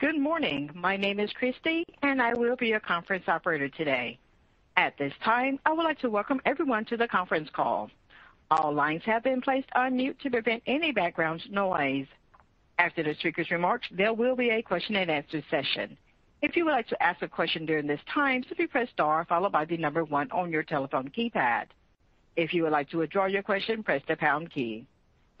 Good morning. My name is Christy, and I will be your conference operator today. At this time, I would like to welcome everyone to the conference call. All lines have been placed on mute to prevent any background noise. After the speakers' remarks, there will be a question-and-answer session. If you would like to ask a question during this time, simply press star followed by the number one on your telephone keypad. If you would like to withdraw your question, press the pound key.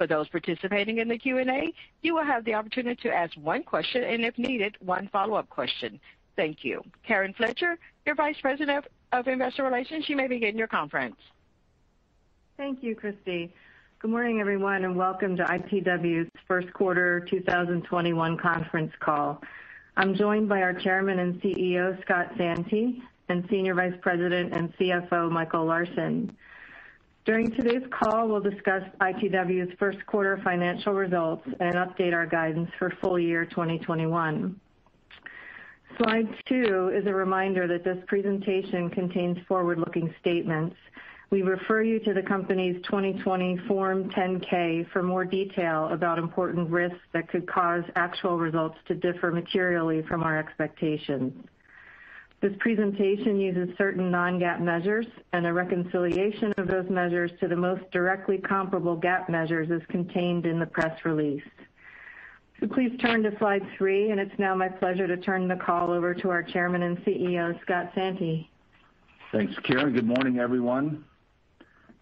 For those participating in the Q&A, you will have the opportunity to ask one question and, if needed, one follow-up question. Thank you. Karen Fletcher, your vice president of investor relations, you may begin your conference. Thank you, Christy. Good morning, everyone, and welcome to ITW's first quarter 2021 conference call. I'm joined by our Chairman and Chief Executive Officer, Scott Santi, and Senior Vice President and Chief Financial Officer, Michael Larsen. During today's call, we'll discuss ITW's first quarter financial results and update our guidance for full year 2021. Slide two is a reminder that this presentation contains forward-looking statements. We refer you to the company's 2020 Form 10-K for more detail about important risks that could cause actual results to differ materially from our expectations. This presentation uses certain non-GAAP measures, and a reconciliation of those measures to the most directly comparable GAAP measures is contained in the press release. Please turn to slide three, and it's now my pleasure to turn the call over to our Chairman and Chief Executive Officer, Scott Santi. Thanks, Karen. Good morning, everyone.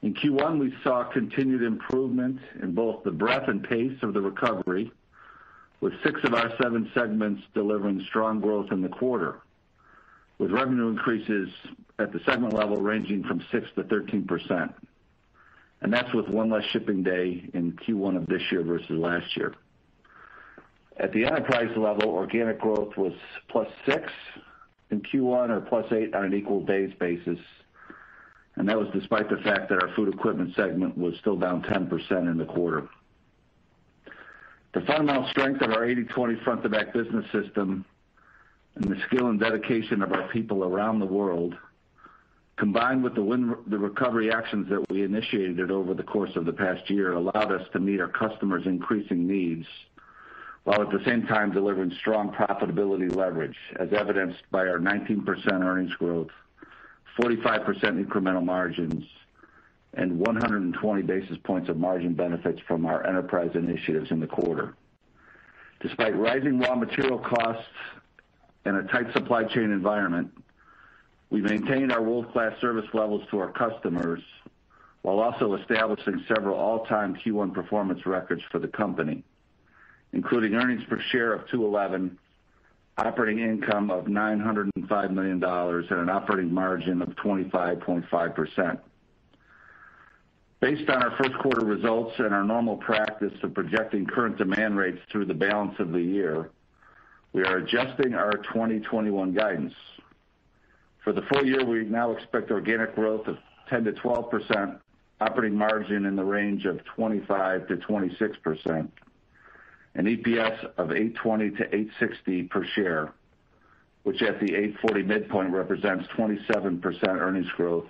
In Q1, we saw continued improvement in both the breadth and pace of the recovery, with six of our seven segments delivering strong growth in the quarter, with revenue increases at the segment level ranging from 6%-13%. That's with one less shipping day in Q1 of this year versus last year. At the enterprise level, organic growth was +6% in Q1, or +8% on an equal days basis. That was despite the fact that our food equipment segment was still down 10% in the quarter. The fundamental strength of our 80/20 Front-to-Back business system and the skill and dedication of our people around the world, combined with the recovery actions that we initiated over the course of the past year, allowed us to meet our customers' increasing needs while at the same time delivering strong profitability leverage, as evidenced by our 19% earnings growth, 45% incremental margins, and 120 basis points of margin benefits from our enterprise initiatives in the quarter. Despite rising raw material costs and a tight supply chain environment, we maintained our world-class service levels to our customers while also establishing several all-time Q1 performance records for the company, including earnings per share of $2.11, operating income of $905 million, and an operating margin of 25.5%. Based on our first quarter results and our normal practice of projecting current demand rates through the balance of the year, we are adjusting our 2021 guidance. For the full-year, we now expect organic growth of 10%-12%, operating margin in the range of 25%-26%, and EPS of $8.20-$8.60 per share, which at the $8.40 midpoint represents 27% earnings growth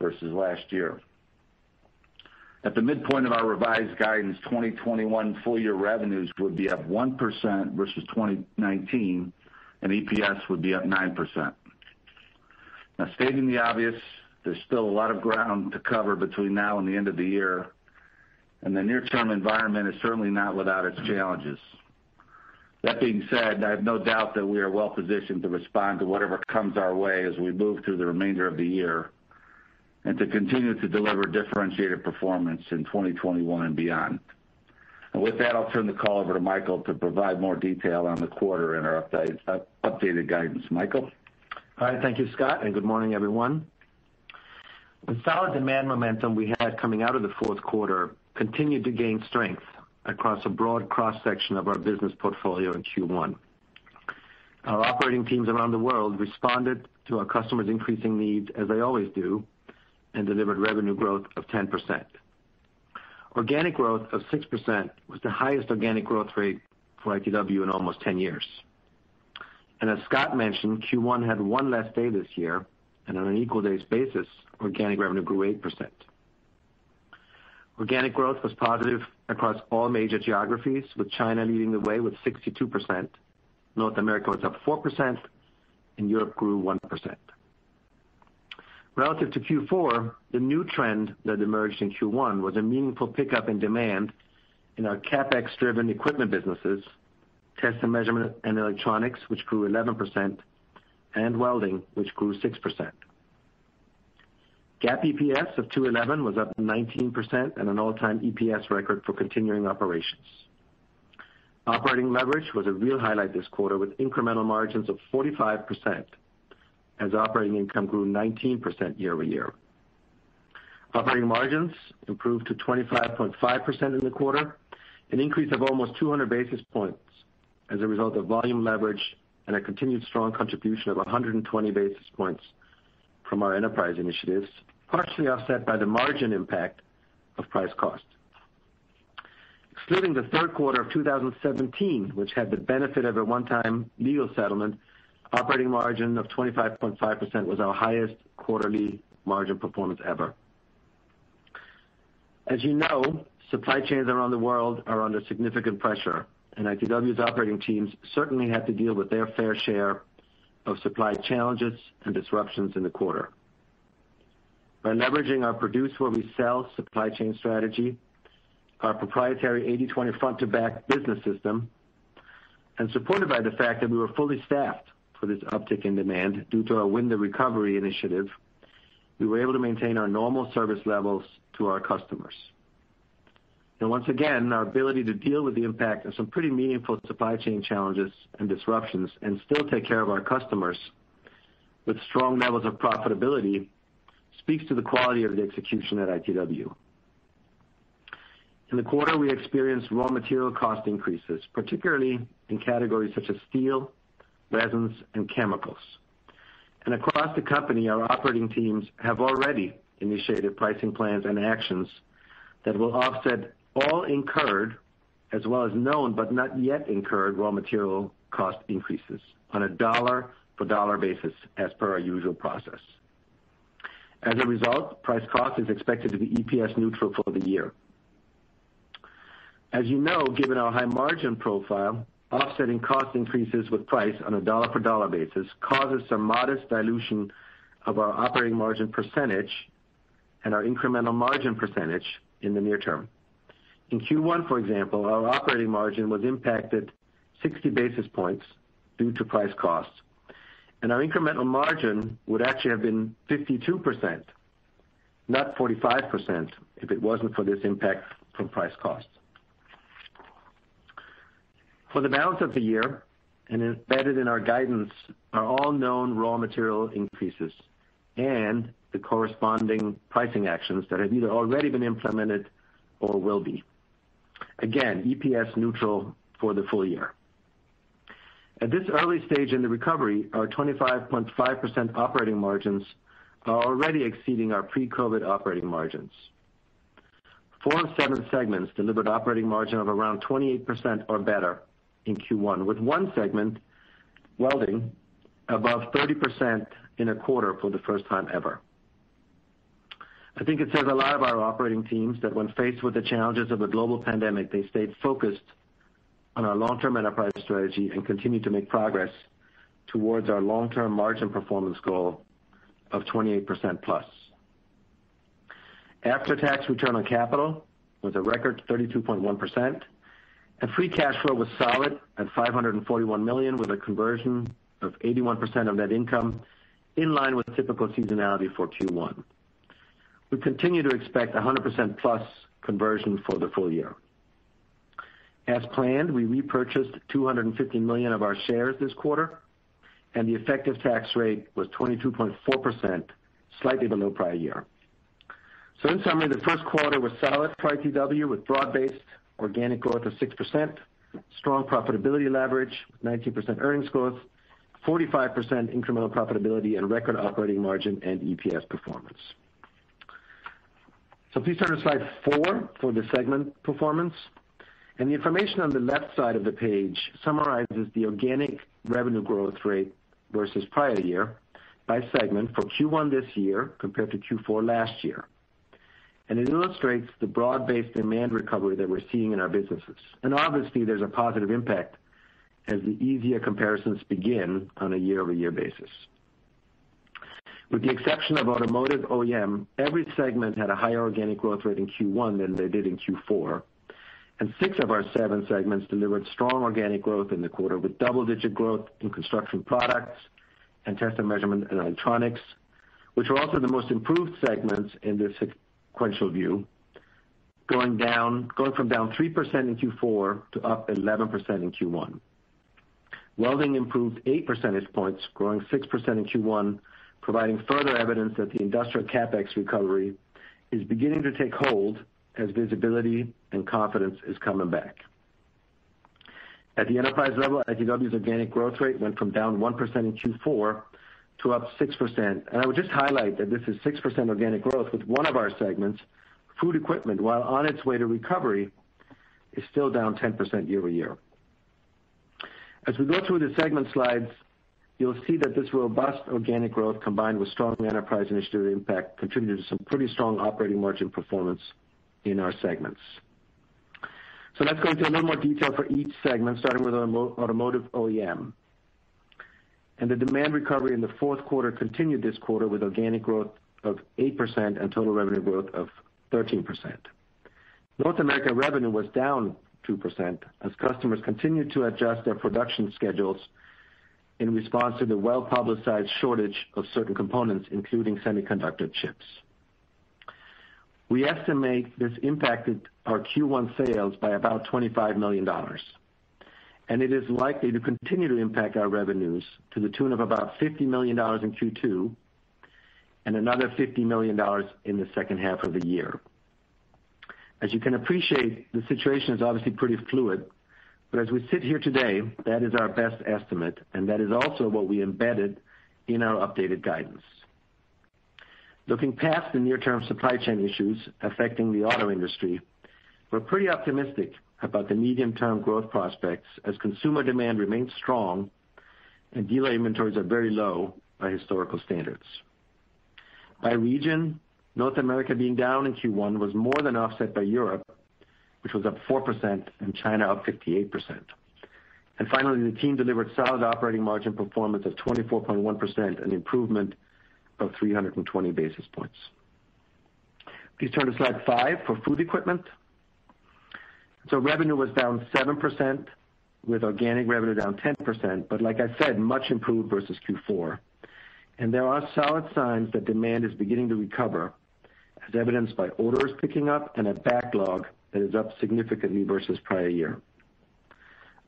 versus last year. At the midpoint of our revised guidance, 2021 full-year revenues would be up 1% versus 2019, and EPS would be up 9%. Stating the obvious, there's still a lot of ground to cover between now and the end of the year, and the near-term environment is certainly not without its challenges. That being said, I have no doubt that we are well-positioned to respond to whatever comes our way as we move through the remainder of the year and to continue to deliver differentiated performance in 2021 and beyond. With that, I'll turn the call over to Michael to provide more detail on the quarter and our updated guidance. Michael? All right. Thank you, Scott, and good morning, everyone. The solid demand momentum we had coming out of the fourth quarter continued to gain strength across a broad cross-section of our business portfolio in Q1. Our operating teams around the world responded to our customers' increasing needs, as they always do, and delivered revenue growth of 10%. Organic growth of 6% was the highest organic growth rate for ITW in almost 10 years. As Scott mentioned, Q1 had one less day this year, and on an equal days basis, organic revenue grew 8%. Organic growth was positive across all major geographies, with China leading the way with 62%. North America was up 4%, and Europe grew 1%. Relative to Q4, the new trend that emerged in Q1 was a meaningful pickup in demand in our CapEx-driven equipment businesses, test and measurement and electronics, which grew 11%, and welding, which grew 6%. GAAP EPS of $2.11 was up 19% and an all-time EPS record for continuing operations. Operating leverage was a real highlight this quarter, with incremental margins of 45% as operating income grew 19% year-over-year. Operating margins improved to 25.5% in the quarter, an increase of almost 200 basis points as a result of volume leverage and a continued strong contribution of 120 basis points from our enterprise initiatives, partially offset by the margin impact of price cost. Excluding the third quarter of 2017, which had the benefit of a one-time legal settlement, operating margin of 25.5% was our highest quarterly margin performance ever. As you know, supply chains around the world are under significant pressure, ITW's operating teams certainly had to deal with their fair share of supply challenges and disruptions in the quarter. By leveraging our produce where we sell supply chain strategy, our proprietary 80/20 Front-to-Back business system, and supported by the fact that we were fully staffed for this uptick in demand due to our Win the Recovery initiative, we were able to maintain our normal service levels to our customers. Once again, our ability to deal with the impact of some pretty meaningful supply chain challenges and disruptions and still take care of our customers with strong levels of profitability, speaks to the quality of the execution at ITW. In the quarter, we experienced raw material cost increases, particularly in categories such as steel, resins, and chemicals. Across the company, our operating teams have already initiated pricing plans and actions that will offset all incurred, as well as known, but not yet incurred raw material cost increases on a dollar-for-dollar basis as per our usual process. As a result, price cost is expected to be EPS neutral for the year. As you know, given our high margin profile, offsetting cost increases with price on a dollar-for-dollar basis causes some modest dilution of our operating margin percentage and our incremental margin percentage in the near term. In Q1, for example, our operating margin was impacted 60 basis points due to price costs, and our incremental margin would actually have been 52%, not 45%, if it wasn't for this impact from price cost. For the balance of the year, embedded in our guidance are all known raw material increases and the corresponding pricing actions that have either already been implemented or will be. Again, EPS neutral for the full year. At this early stage in the recovery, our 25.5% operating margins are already exceeding our pre-COVID operating margins. Four of seven segments delivered operating margin of around 28% or better in Q1, with one segment, welding, above 30% in a quarter for the first time ever. I think it says a lot of our operating teams that when faced with the challenges of a global pandemic, they stayed focused on our long-term enterprise strategy and continued to make progress towards our long-term margin performance goal of 28% plus. After-tax return on capital was a record 32.1%, and free cash flow was solid at $541 million, with a conversion of 81% of net income in line with typical seasonality for Q1. We continue to expect 100% plus conversion for the full year. As planned, we repurchased $250 million of our shares this quarter, and the effective tax rate was 22.4%, slightly below prior year. In summary, the first quarter was solid for ITW with broad-based organic growth of 6%, strong profitability leverage, 19% earnings growth, 45% incremental profitability, and record operating margin and EPS performance. Please turn to slide four for the segment performance. The information on the left side of the page summarizes the organic revenue growth rate versus prior year by segment for Q1 this year compared to Q4 last year. It illustrates the broad-based demand recovery that we're seeing in our businesses. Obviously, there's a positive impact as the easier comparisons begin on a year-over-year basis. With the exception of Automotive OEM, every segment had a higher organic growth rate in Q1 than they did in Q4, and six of our seven segments delivered strong organic growth in the quarter, with double-digit growth in construction products and test and measurement and electronics, which were also the most improved segments in the sequential view. Going from down 3% in Q4 to up 11% in Q1. Welding improved eight percentage points, growing 6% in Q1, providing further evidence that the industrial CapEx recovery is beginning to take hold as visibility and confidence is coming back. At the enterprise level, ITW's organic growth rate went from down 1% in Q4 to up 6%. I would just highlight that this is 6% organic growth with one of our segments, Food Equipment, while on its way to recovery, is still down 10% year-over-year. As we go through the segment slides, you'll see that this robust organic growth, combined with strong enterprise initiative impact, contributed to some pretty strong operating margin performance in our segments. Let's go into a little more detail for each segment, starting with Automotive OEM. The demand recovery in the fourth quarter continued this quarter with organic growth of 8% and total revenue growth of 13%. North American revenue was down 2% as customers continued to adjust their production schedules in response to the well-publicized shortage of certain components, including semiconductor chips. We estimate this impacted our Q1 sales by about $25 million. It is likely to continue to impact our revenues to the tune of about $50 million in Q2 and another $50 million in the second half of the year. As you can appreciate, the situation is obviously pretty fluid. As we sit here today, that is our best estimate. That is also what we embedded in our updated guidance. Looking past the near-term supply chain issues affecting the auto industry, we're pretty optimistic about the medium-term growth prospects as consumer demand remains strong. Dealer inventories are very low by historical standards. By region, North America being down in Q1 was more than offset by Europe, which was up 4%. China up 58%. Finally, the team delivered solid operating margin performance of 24.1%, an improvement of 320 basis points. Please turn to slide five for food equipment. Revenue was down 7%, with organic revenue down 10%, but like I said, much improved versus Q4. There are solid signs that demand is beginning to recover, as evidenced by orders picking up and a backlog that is up significantly versus prior year.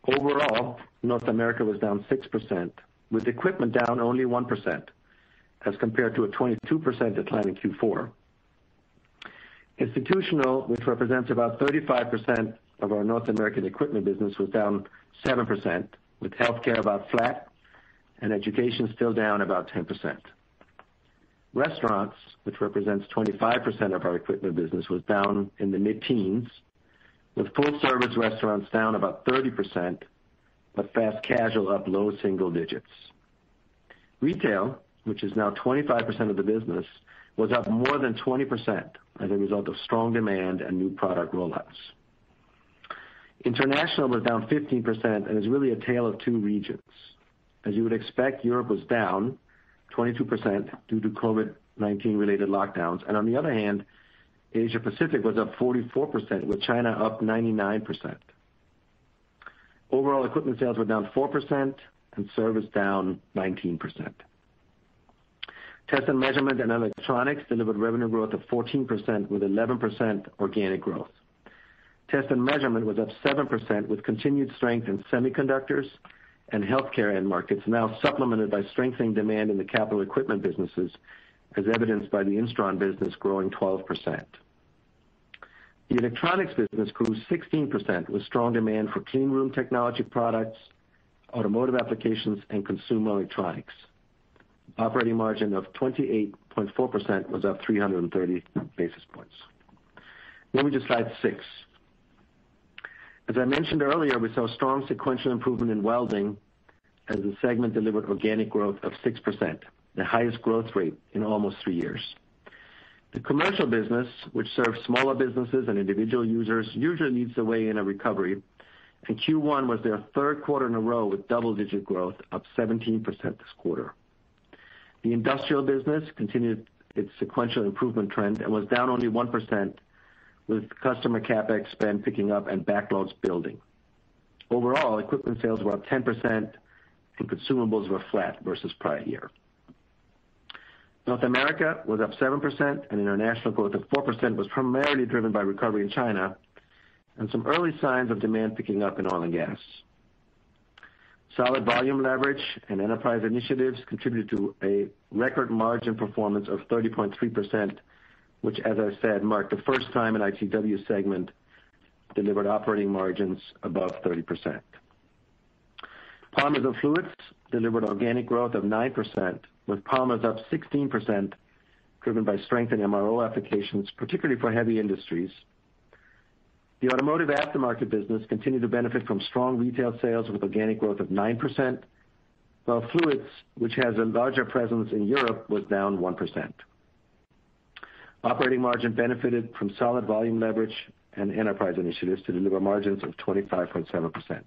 Overall, North America was down 6%, with equipment down only 1%, as compared to a 22% decline in Q4. Institutional, which represents about 35% of our North American equipment business, was down 7%, with healthcare about flat and education still down about 10%. Restaurants, which represents 25% of our equipment business, was down in the mid-teens, with full-service restaurants down about 30%, but fast casual up low single digits. Retail, which is now 25% of the business, was up more than 20% as a result of strong demand and new product rollouts. International was down 15% and is really a tale of two regions. As you would expect, Europe was down 22% due to COVID-19 related lockdowns. On the other hand, Asia Pacific was up 44%, with China up 99%. Overall equipment sales were down 4% and service down 19%. Test and Measurement and Electronics delivered revenue growth of 14% with 11% organic growth. Test and Measurement was up 7% with continued strength in semiconductors and healthcare end markets, now supplemented by strengthening demand in the capital equipment businesses, as evidenced by the Instron business growing 12%. The Electronics business grew 16% with strong demand for cleanroom technology products, automotive applications, and consumer electronics. Operating margin of 28.4% was up 330 basis points. Moving to slide six. As I mentioned earlier, we saw strong sequential improvement in welding as the segment delivered organic growth of 6%, the highest growth rate in almost three years. The commercial business, which serves smaller businesses and individual users, usually leads the way in a recovery, and Q1 was their third quarter in a row with double-digit growth, up 17% this quarter. The industrial business continued its sequential improvement trend and was down only 1%, with customer CapEx spend picking up and backlogs building. Overall, equipment sales were up 10% and consumables were flat versus prior year. North America was up 7%, and international growth of 4% was primarily driven by recovery in China and some early signs of demand picking up in oil and gas. Solid volume leverage and enterprise initiatives contributed to a record margin performance of 30.3%, which, as I said, marked the first time an ITW segment delivered operating margins above 30%. Polymers and fluids delivered organic growth of 9%, with polymers up 16%, driven by strength in MRO applications, particularly for heavy industries. The automotive aftermarket business continued to benefit from strong retail sales with organic growth of 9%, while fluids, which has a larger presence in Europe, was down 1%. Operating margin benefited from solid volume leverage and enterprise initiatives to deliver margins of 25.7%.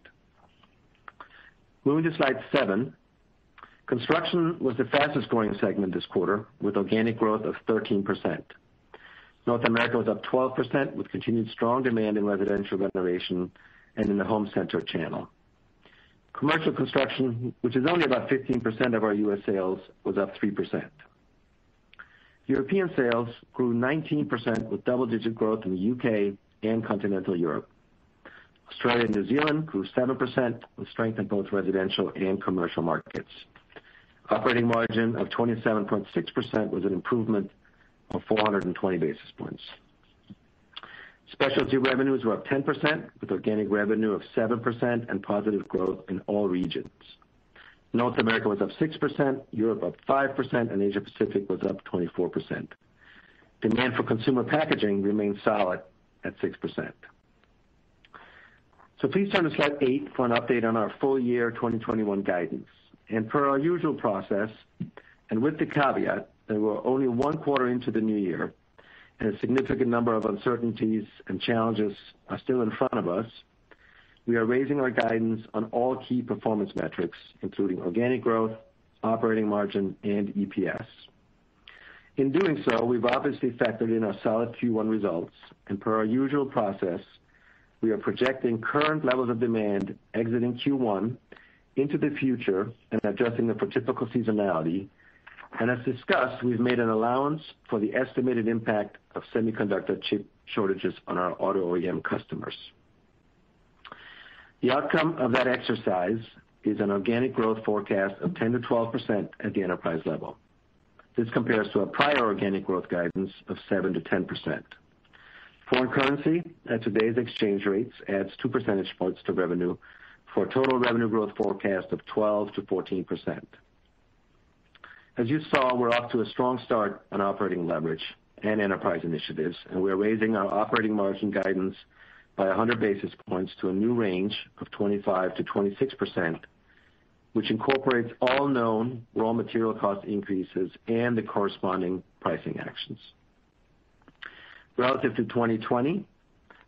Moving to slide seven. Construction was the fastest-growing segment this quarter, with organic growth of 13%. North America was up 12%, with continued strong demand in residential renovation and in the home center channel. Commercial construction, which is only about 15% of our U.S. sales, was up 3%. European sales grew 19% with double-digit growth in the U.K. and continental Europe. Australia and New Zealand grew 7% with strength in both residential and commercial markets. Operating margin of 27.6% was an improvement of 420 basis points. Specialty revenues were up 10%, with organic revenue of 7% and positive growth in all regions. North America was up 6%, Europe up 5%, and Asia Pacific was up 24%. Demand for consumer packaging remained solid at 6%. Please turn to slide eight for an update on our full year 2021 guidance. Per our usual process, and with the caveat that we're only one quarter into the new year, and a significant number of uncertainties and challenges are still in front of us, we are raising our guidance on all key performance metrics, including organic growth, operating margin, and EPS. In doing so, we've obviously factored in our solid Q1 results. Per our usual process, we are projecting current levels of demand exiting Q1 into the future and adjusting them for typical seasonality. As discussed, we've made an allowance for the estimated impact of semiconductor chip shortages on our Automotive OEM customers. The outcome of that exercise is an organic growth forecast of 10%-12% at the enterprise level. This compares to a prior organic growth guidance of 7%-10%. Foreign currency at today's exchange rates adds two percentage points to revenue for a total revenue growth forecast of 12%-14%. As you saw, we're off to a strong start on operating leverage and enterprise initiatives, and we're raising our operating margin guidance by 100 basis points to a new range of 25%-26%, which incorporates all known raw material cost increases and the corresponding pricing actions. Relative to 2020,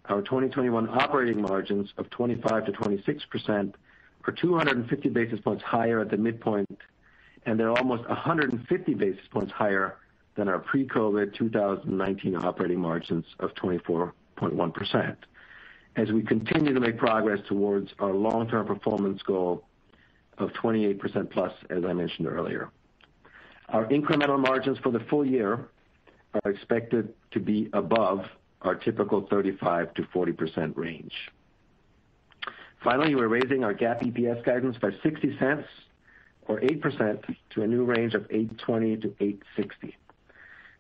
our 2021 operating margins of 25%-26% are 250 basis points higher at the midpoint, and they're almost 150 basis points higher than our pre-COVID 2019 operating margins of 24.1%. As we continue to make progress towards our long-term performance goal of 28%+, as I mentioned earlier. Our incremental margins for the full year are expected to be above our typical 35%-40% range. Finally, we're raising our GAAP EPS guidance by $0.60 or 8% to a new range of $8.20-$8.60.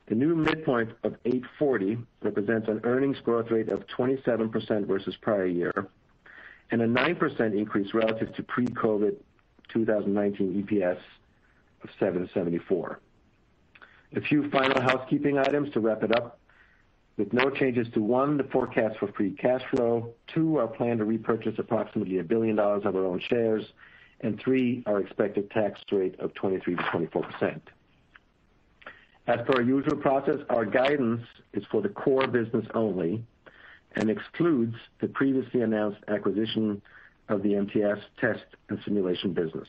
The new midpoint of $8.40 represents an earnings growth rate of 27% versus prior year, and a 9% increase relative to pre-COVID 2019 EPS of $7.74. A few final housekeeping items to wrap it up. With no changes to one, the forecast for free cash flow, two, our plan to repurchase approximately $1 billion of our own shares, and three, our expected tax rate of 23%-24%. As per our usual process, our guidance is for the core business only and excludes the previously announced acquisition of the MTS Test & Simulation business.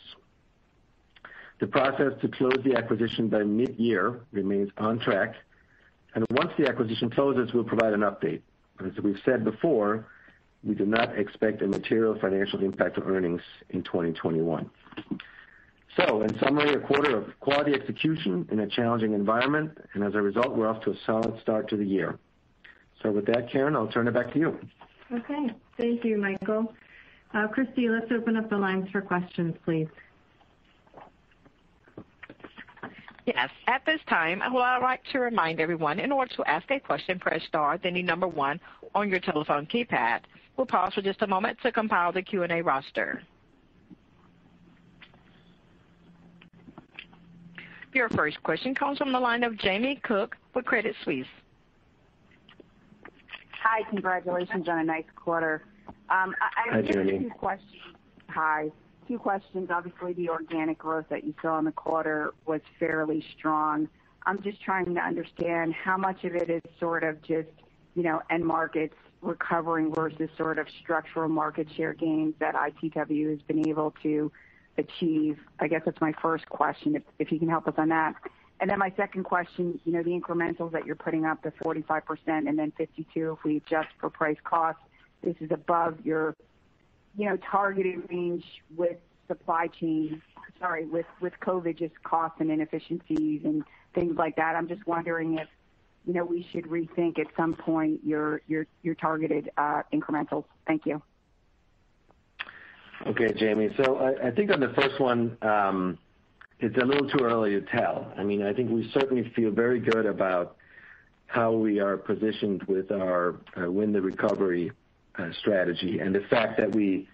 The process to close the acquisition by mid-year remains on track, and once the acquisition closes, we'll provide an update. As we've said before, we do not expect a material financial impact to earnings in 2021. In summary, a quarter of quality execution in a challenging environment, and as a result, we're off to a solid start to the year. With that, Karen, I'll turn it back to you. Okay. Thank you, Michael. Christy, let's open up the lines for questions, please. Yes. At this time, I would like to remind everyone, in order to ask a question, press star, then the number one on your telephone keypad. We'll pause for just a moment to compile the Q&A roster. Your first question comes from the line of Jamie Cook with Credit Suisse. Hi. Congratulations on a nice quarter. Hi, Jamie. I have a few questions. Hi. Few questions. Obviously, the organic growth that you saw in the quarter was fairly strong. I'm just trying to understand how much of it is sort of just end markets recovering versus sort of structural market share gains that ITW has been able to achieve. I guess that's my first question, if you can help us on that. My second question, the incrementals that you're putting up to 45% and then 52% if we adjust for price cost. This is above your targeted range with sorry, with COVID, just cost and inefficiencies and things like that. I'm just wondering if we should rethink at some point your targeted incrementals. Thank you. Okay, Jamie. I think on the first one, it's a little too early to tell. I think we certainly feel very good about how we are positioned with our Win the Recovery strategy and the fact that we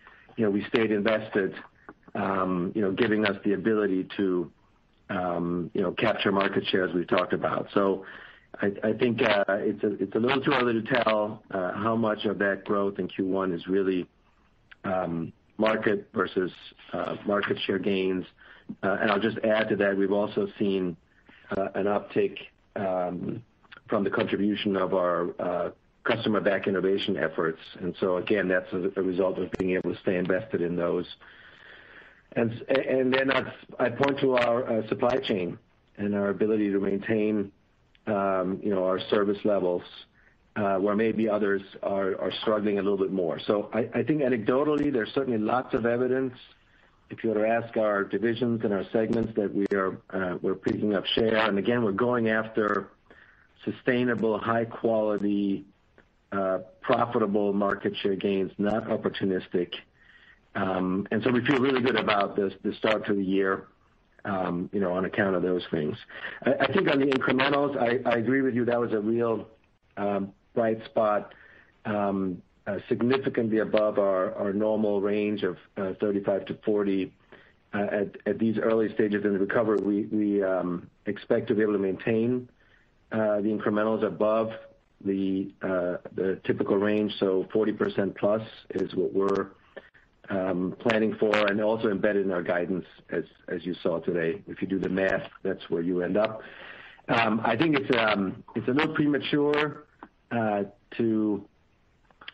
stayed invested, giving us the ability to capture market share, as we've talked about. I think it's a little too early to tell how much of that growth in Q1 is really market versus market share gains. I'll just add to that, we've also seen an uptick from the contribution of our customer-back innovation efforts. Again, that's a result of being able to stay invested in those. I'd point to our supply chain and our ability to maintain our service levels, where maybe others are struggling a little bit more. I think anecdotally, there's certainly lots of evidence, if you were to ask our divisions and our segments, that we're picking up share. Again, we're going after sustainable, high-quality, profitable market share gains, not opportunistic. We feel really good about the start to the year on account of those things. I think on the incrementals, I agree with you, that was a real bright spot. Significantly above our normal range of 35%-40%. At these early stages in the recovery, we expect to be able to maintain the incrementals above the typical range. 40% plus is what we're planning for, and also embedded in our guidance as you saw today. If you do the math, that's where you end up. I think it's a little premature to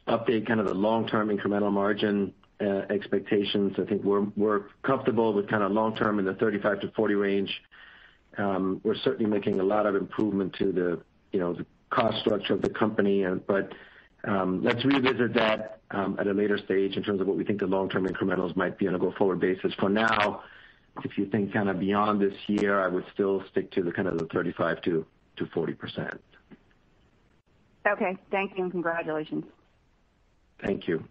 update kind of the long-term incremental margin expectations. I think we're comfortable with kind of long-term in the 35%-40% range. We're certainly making a lot of improvement to the cost structure of the company. Let's revisit that at a later stage in terms of what we think the long-term incrementals might be on a go-forward basis. For now, if you think kind of beyond this year, I would still stick to the kind of the 35%-40%. Okay. Thank you, and congratulations. Thank you.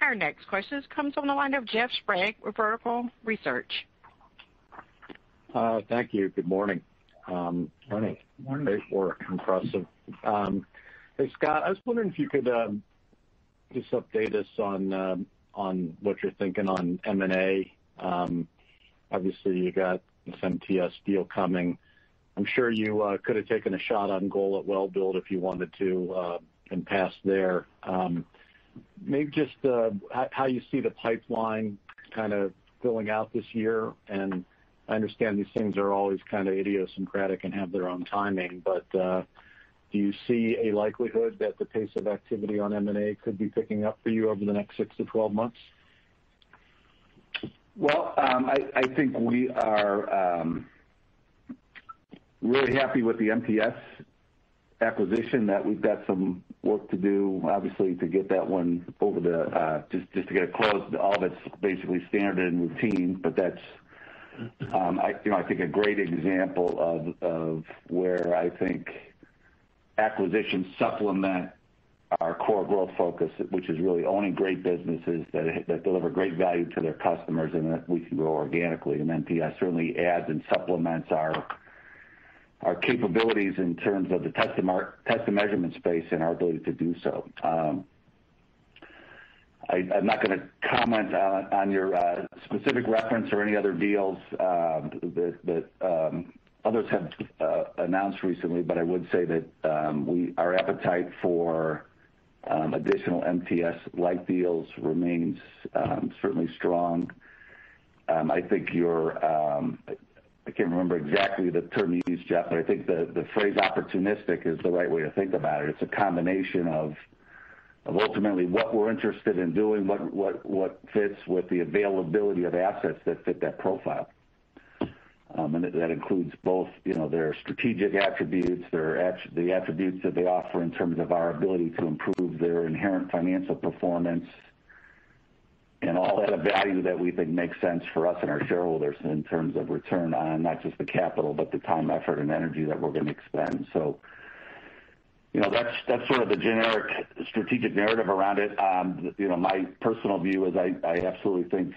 Our next question comes on the line of Jeff Sprague with Vertical Research. Thank you. Good morning. Morning. Great work. Impressive. Hey, Scott, I was wondering if you could just update us on what you're thinking on M&A. Obviously, you got this MTS deal coming. I'm sure you could have taken a shot on goal at Welbilt if you wanted to and passed there. Maybe just how you see the pipeline kind of filling out this year, and I understand these things are always kind of idiosyncratic and have their own timing, but do you see a likelihood that the pace of activity on M&A could be picking up for you over the next six to 12 months? I think we are really happy with the MTS acquisition, that we've got some work to do, obviously, just to get it closed. All that's basically standard and routine, that's I think a great example of where I think acquisitions supplement our core growth focus, which is really owning great businesses that deliver great value to their customers and that we can grow organically. MTS certainly adds and supplements our capabilities in terms of the test and measurement space and our ability to do so. I'm not going to comment on your specific reference or any other deals that others have announced recently, I would say that our appetite for additional MTS-like deals remains certainly strong. I can't remember exactly the term you used, Jeff, I think the phrase opportunistic is the right way to think about it. It's a combination of ultimately what were interested in doing, what fits with the availability of assets that fit that profile. That includes both their strategic attributes, the attributes that they offer in terms of our ability to improve their inherent financial performance, and all that value that we think makes sense for us and our shareholders in terms of return on not just the capital, but the time, effort, and energy that we're going to expend. That's sort of the generic strategic narrative around it. My personal view is I absolutely think,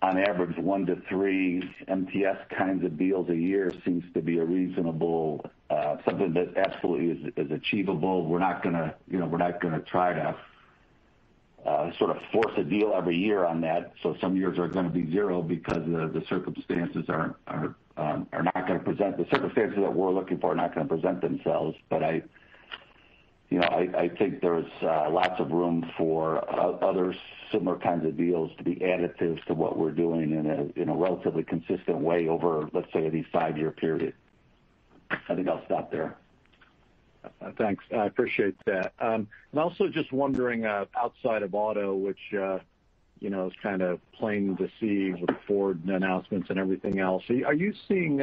on average, one to three MTS kinds of deals a year seems to be something that absolutely is achievable. We're not going to try to sort of force a deal every year on that. Some years are going to be zero because the circumstances that we're looking for are not going to present themselves. I think there's lots of room for other similar kinds of deals to be additive to what we're doing in a relatively consistent way over, let's say, a five-year period. I think I'll stop there. Thanks. I appreciate that. Also just wondering, outside of auto, which is kind of plain to see with Ford and the announcements and everything else, are you seeing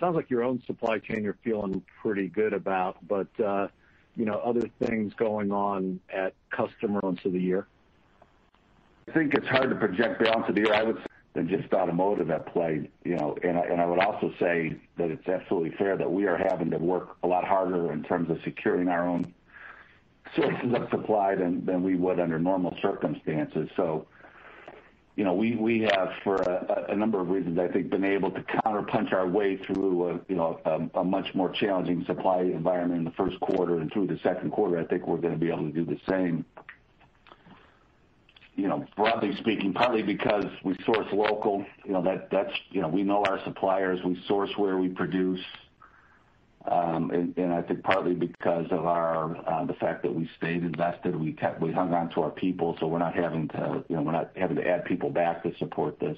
sounds like your own supply chain you're feeling pretty good about, but other things going on at customer on the year? I think it's hard to project beyond today. I would say than just automotive at play. I would also say that it's absolutely fair that we are having to work a lot harder in terms of securing our own sources of supply than we would under normal circumstances. We have, for a number of reasons, I think, been able to counterpunch our way through a much more challenging supply environment in the first quarter and through the second quarter. I think we're going to be able to do the same broadly speaking, partly because we source local. We know our suppliers. We source where we produce. I think partly because of the fact that we stayed invested, we hung on to our people, so we're not having to add people back to support this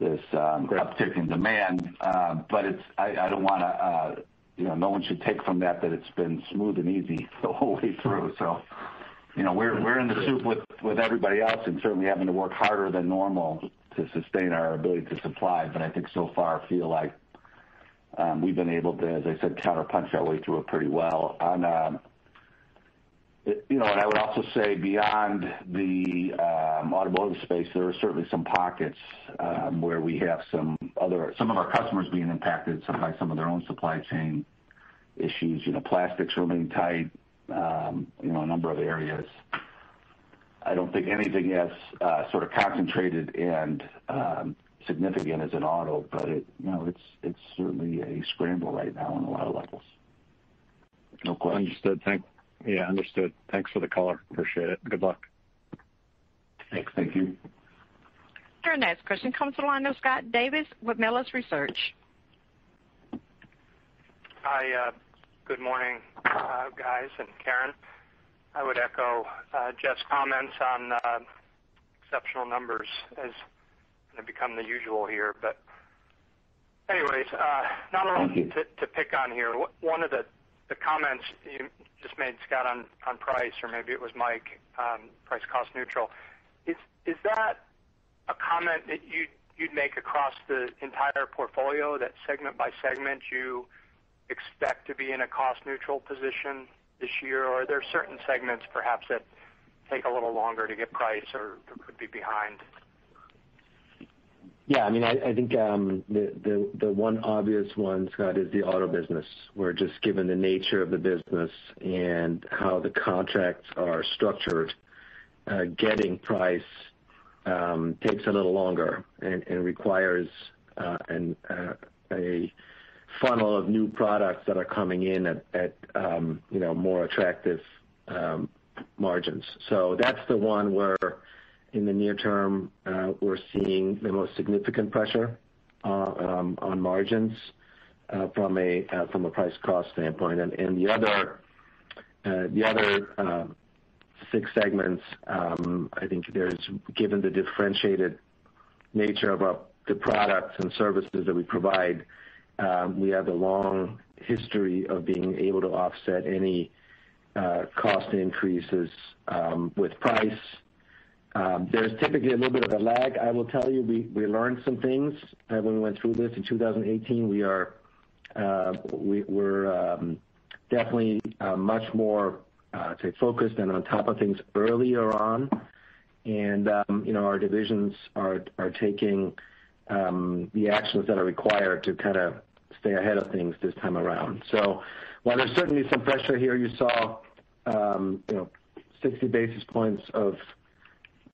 uptick in demand. No one should take from that it's been smooth and easy the whole way through. We're in the soup with everybody else and certainly having to work harder than normal to sustain our ability to supply. I think so far feel like we've been able to, as I said, counterpunch our way through it pretty well. I would also say, beyond the automotive space, there are certainly some pockets where we have some of our customers being impacted by some of their own supply chain issues. Plastics are remaining tight in a number of areas. I don't think anything as sort of concentrated and significant as in auto, but it's certainly a scramble right now on a lot of levels. No question. Understood. Thanks for the color. Appreciate it. Good luck. Thanks. Thank you. Our next question comes from the line of Scott Davis with Melius Research. Hi. Good morning, guys and Karen. I would echo Jeff's comments on exceptional numbers as have become the usual here. Anyways, not a lot to pick on here. One of the comments you just made, Scott, on price, or maybe it was Mike, price cost neutral. Is that a comment that you'd make across the entire portfolio, that segment by segment you expect to be in a cost-neutral position this year? Or are there certain segments perhaps that take a little longer to get price or could be behind? I think the one obvious one, Scott, is the auto business, where just given the nature of the business and how the contracts are structured, getting price takes a little longer and requires a funnel of new products that are coming in at more attractive margins. That's the one where in the near term, we're seeing the most significant pressure on margins from a price cost standpoint. The other six segments, I think given the differentiated nature of the products and services that we provide, we have a long history of being able to offset any cost increases with price. There's typically a little bit of a lag. I will tell you, we learned some things when we went through this in 2018. We're definitely much more focused and on top of things earlier on. Our divisions are taking the actions that are required to kind of stay ahead of things this time around. While there's certainly some pressure here, you saw 60 basis points of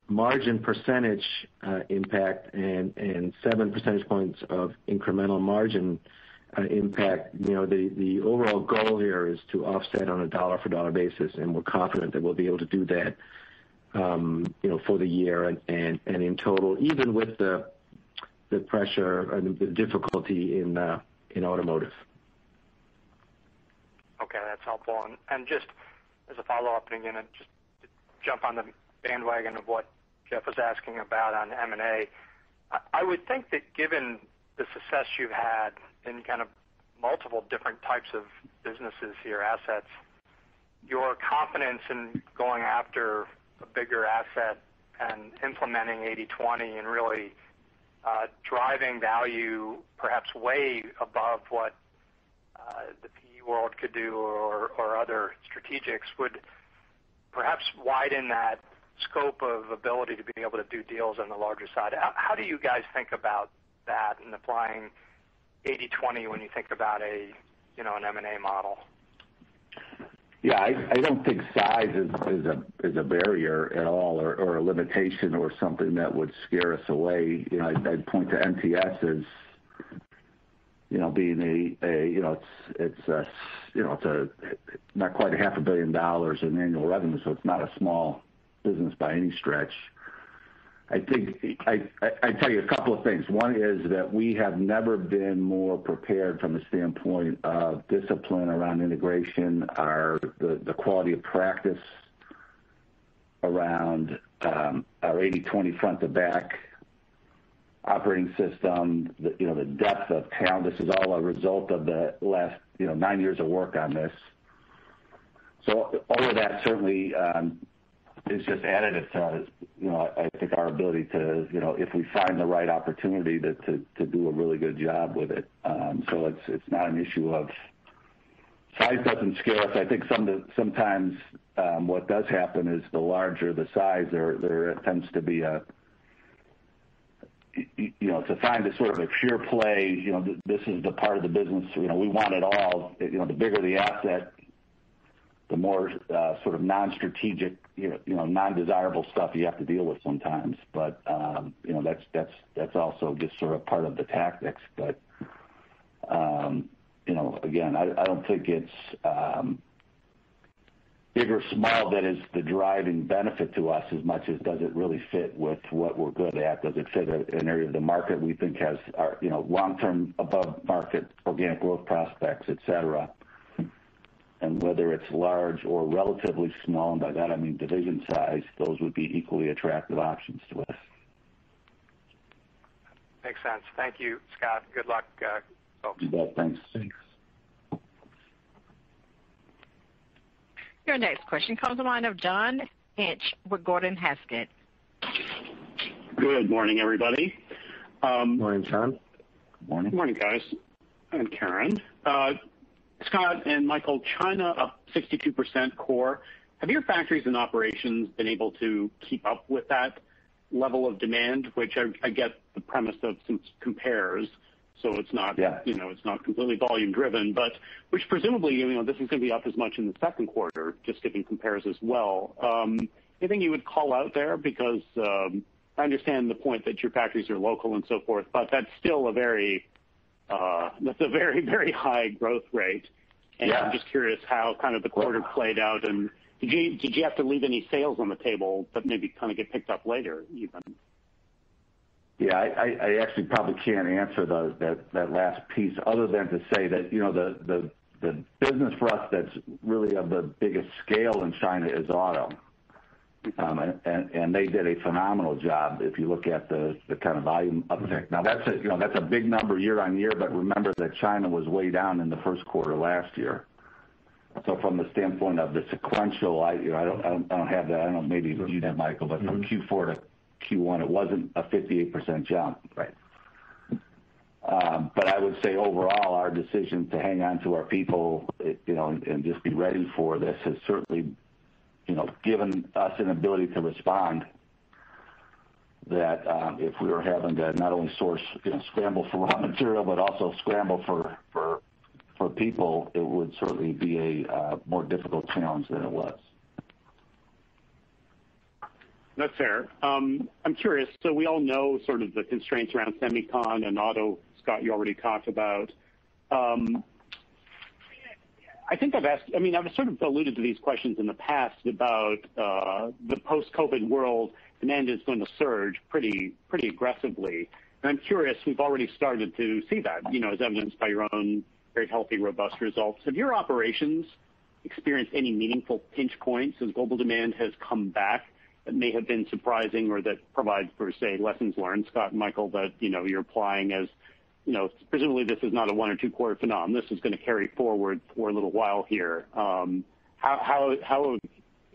margin percentage impact and seven percentage points of incremental margin impact. The overall goal here is to offset on a dollar-for-dollar basis, and we're confident that we'll be able to do that for the year and in total, even with the pressure and the difficulty in automotive. Okay, that's helpful. Just as a follow-up and again, just to jump on the bandwagon of what Jeff was asking about on M&A. I would think that given the success you've had in kind of multiple different types of businesses, your assets, your confidence in going after a bigger asset and implementing 80/20 and really driving value perhaps way above what the PE world could do or other strategics would perhaps widen that scope of ability to being able to do deals on the larger side. How do you guys think about that in applying 80/20 when you think about an M&A model? I don't think size is a barrier at all or a limitation or something that would scare us away. I'd point to MTS as being. It's not quite a half a billion dollars in annual revenue, so it's not a small business by any stretch. I'd tell you a couple of things. One is that we have never been more prepared from a standpoint of discipline around integration. The quality of practice around our 80/20 Front-to-Back operating system, the depth of talent, this is all a result of the last nine years of work on this. All of that certainly is just additive to, I think our ability to, if we find the right opportunity to do a really good job with it. It's not an issue of size doesn't scare us. I think sometimes what does happen is the larger the size, there tends to be a-- to find a sort of a pure play, this is the part of the business, we want it all. The bigger the asset, the more sort of non-strategic, non-desirable stuff you have to deal with sometimes. That's also just sort of part of the tactics. Again, I don't think it's big or small that is the driving benefit to us as much as does it really fit with what we're good at? Does it fit an area of the market we think has our long-term above market organic growth prospects, et cetera? Whether it's large or relatively small, and by that I mean division size, those would be equally attractive options to us. Makes sense. Thank you, Scott. Good luck. You bet. Thanks. Thanks. Your next question comes on the line of John Inch with Gordon Haskett. Good morning, everybody. Morning, John. Good morning, guys, and Karen. Scott and Michael, China up 62% core. Have your factories and operations been able to keep up with that level of demand, which I get the premise of compares? Yeah it's not completely volume driven, but which presumably, this is going to be up as much in the second quarter, just giving compares as well. Anything you would call out there because I understand the point that your factories are local and so forth, but that's a very high growth rate, and I'm just curious how kind of the quarter played out, and did you have to leave any sales on the table that maybe kind of get picked up later even? I actually probably can't answer that last piece other than to say that the business for us that's really of the biggest scale in China is Auto. They did a phenomenal job if you look at the kind of volume uptick. That's a big number year-over-year, but remember that China was way down in the first quarter last year. From the standpoint of the sequential, I don't have that. I don't know, maybe you do, Michael. From Q4 to Q1, it wasn't a 58% jump. Right. I would say overall, our decision to hang on to our people, and just be ready for this has certainly given us an ability to respond, that if we were having to not only source, scramble for raw material, but also scramble for people, it would certainly be a more difficult challenge than it was. That's fair. I'm curious, we all know sort of the constraints around semicon and auto, Scott, you already talked about. I was sort of alluded to these questions in the past about the post-COVID world, demand is going to surge pretty aggressively. I'm curious, we've already started to see that, as evidenced by your own very healthy, robust results. Have your operations experienced any meaningful pinch points as global demand has come back that may have been surprising or that provides, per se, lessons learned, Scott and Michael, that you're applying as presumably this is not a one or two quarter phenomenon. This is going to carry forward for a little while here. Is there anything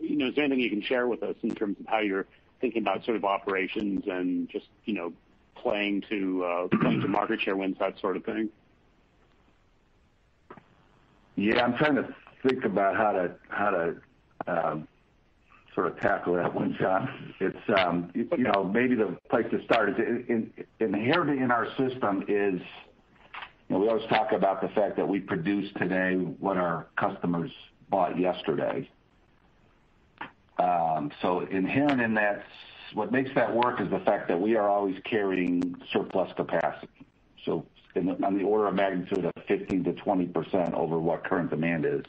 you can share with us in terms of how you're thinking about sort of operations and just playing to market share wins, that sort of thing? Yeah. I'm trying to think about how to sort of tackle that one, John. Maybe the place to start is, inherent in our system is we always talk about the fact that we produce today what our customers bought yesterday. Inherent in that, what makes that work is the fact that we are always carrying surplus capacity. On the order of magnitude of 15%-20% over what current demand is,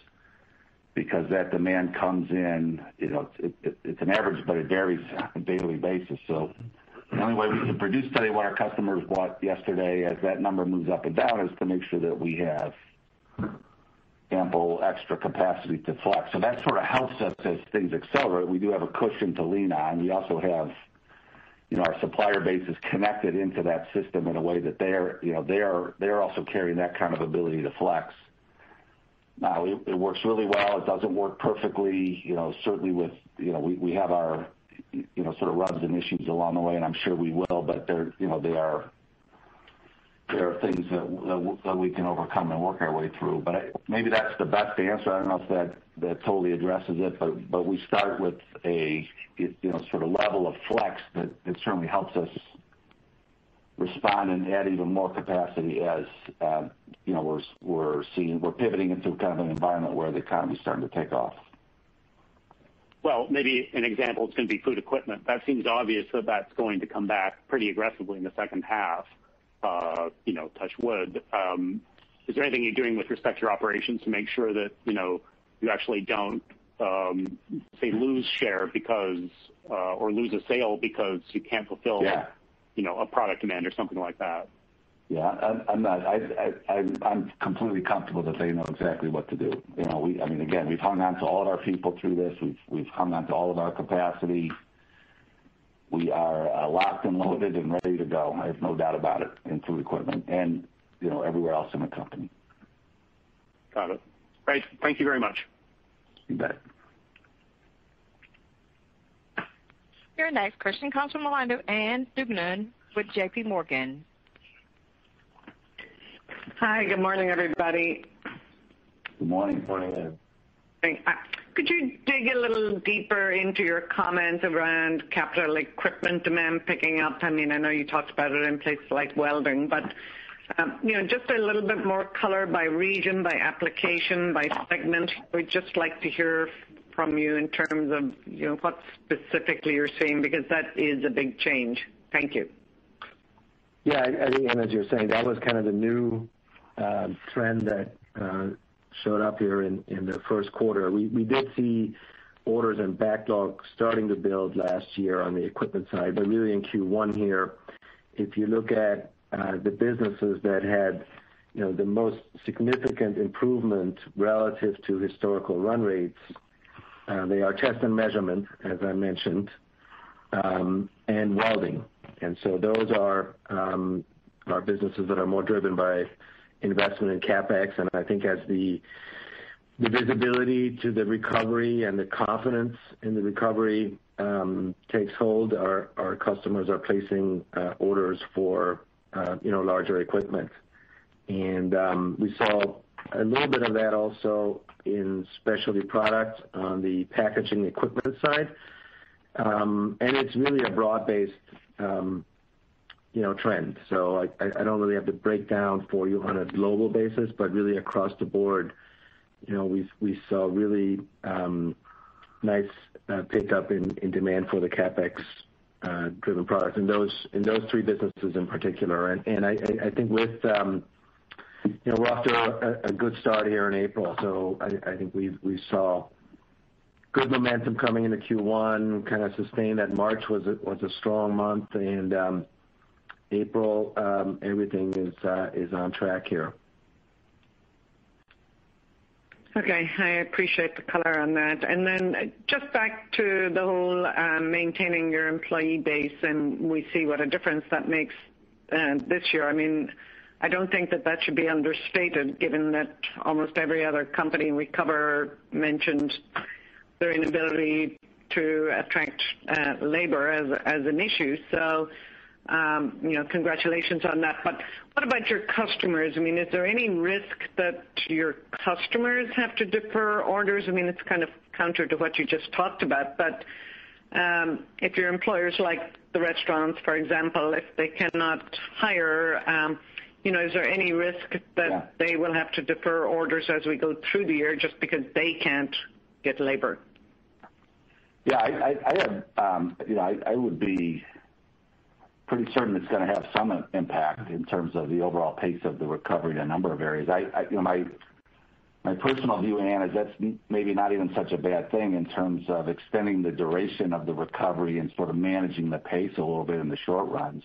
because that demand comes in, it's an average, but it varies on a daily basis. The only way we can produce today what our customers bought yesterday as that number moves up and down, is to make sure that we have ample extra capacity to flex. That sort of helps us as things accelerate. We do have a cushion to lean on. We also have our supplier base is connected into that system in a way that they are also carrying that kind of ability to flex. It works really well. It doesn't work perfectly. Certainly we have our sort of rubs and issues along the way, and I'm sure we will, but there are things that we can overcome and work our way through. Maybe that's the best answer. I don't know if that totally addresses it, but we start with a sort of level of flex that certainly helps us respond and add even more capacity as we're pivoting into kind of an environment where the economy's starting to take off. Well, maybe an example is going to be food equipment. That seems obvious that that's going to come back pretty aggressively in the second half. Touch wood. Is there anything you're doing with respect to your operations to make sure that you actually don't, say, lose share or lose a sale because you can't fulfill? Yeah a product demand or something like that? Yeah. I'm completely comfortable that they know exactly what to do. Again, we've hung on to all of our people through this. We've hung on to all of our capacity. We are locked and loaded and ready to go. I have no doubt about it, in food equipment and everywhere else in the company. Got it. Great. Thank you very much. You bet. Your next question comes from the line of Ann Duignan with J.P. Morgan. Hi. Good morning, everybody. Good morning. Morning, Ann. Could you dig a little deeper into your comments around capital equipment demand picking up? I know you talked about it in places like welding, but just a little bit more color by region, by application, by segment. We'd just like to hear from you in terms of what specifically you're seeing, because that is a big change. Thank you. Ann, as you're saying, that was kind of the new trend that showed up here in the first quarter. We did see orders and backlog starting to build last year on the equipment side. Really in Q1 here, if you look at the businesses that had the most significant improvement relative to historical run rates, they are test and measurement, as I mentioned, and welding. Those are our businesses that are more driven by investment in CapEx. I think as the visibility to the recovery and the confidence in the recovery takes hold, our customers are placing orders for larger equipment. We saw a little bit of that also in specialty products on the packaging equipment side. It's really a broad-based trend. I don't really have the breakdown for you on a global basis, but really across the board, we saw really nice pickup in demand for the CapEx-driven products in those three businesses in particular. I think we're off to a good start here in April. I think we saw good momentum coming into Q1, kind of sustained. That March was a strong month, and April, everything is on track here. Okay. I appreciate the color on that. Just back to the whole maintaining your employee base, and we see what a difference that makes this year. I don't think that that should be understated given that almost every other company we cover mentioned their inability to attract labor as an issue. Congratulations on that. What about your customers? Is there any risk that your customers have to defer orders? It's kind of counter to what you just talked about, but if your employers like the restaurants, for example, if they cannot hire, is there any risk that Yeah they will have to defer orders as we go through the year just because they can't get labor? Yeah. I would be pretty certain it's going to have some impact in terms of the overall pace of the recovery in a number of areas. My personal view, Ann, is that's maybe not even such a bad thing in terms of extending the duration of the recovery and sort of managing the pace a little bit in the short run.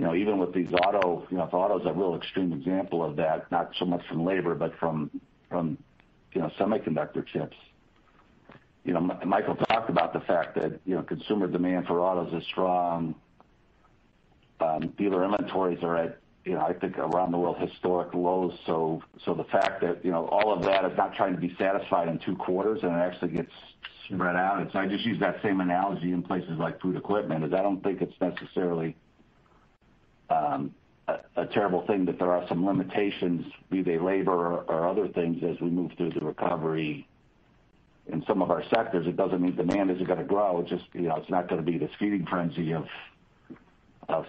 Even with these auto, if auto's a real extreme example of that, not so much from labor, but from semiconductor chips. Michael talked about the fact that consumer demand for autos is strong. Dealer inventories are at, I think, around the world, historic lows, so the fact that all of that is not trying to be satisfied in two quarters and it actually gets spread out. I just use that same analogy in places like food equipment, is I don't think it's necessarily a terrible thing that there are some limitations, be they labor or other things, as we move through the recovery in some of our sectors. It doesn't mean demand isn't going to grow. It's just not going to be this feeding frenzy of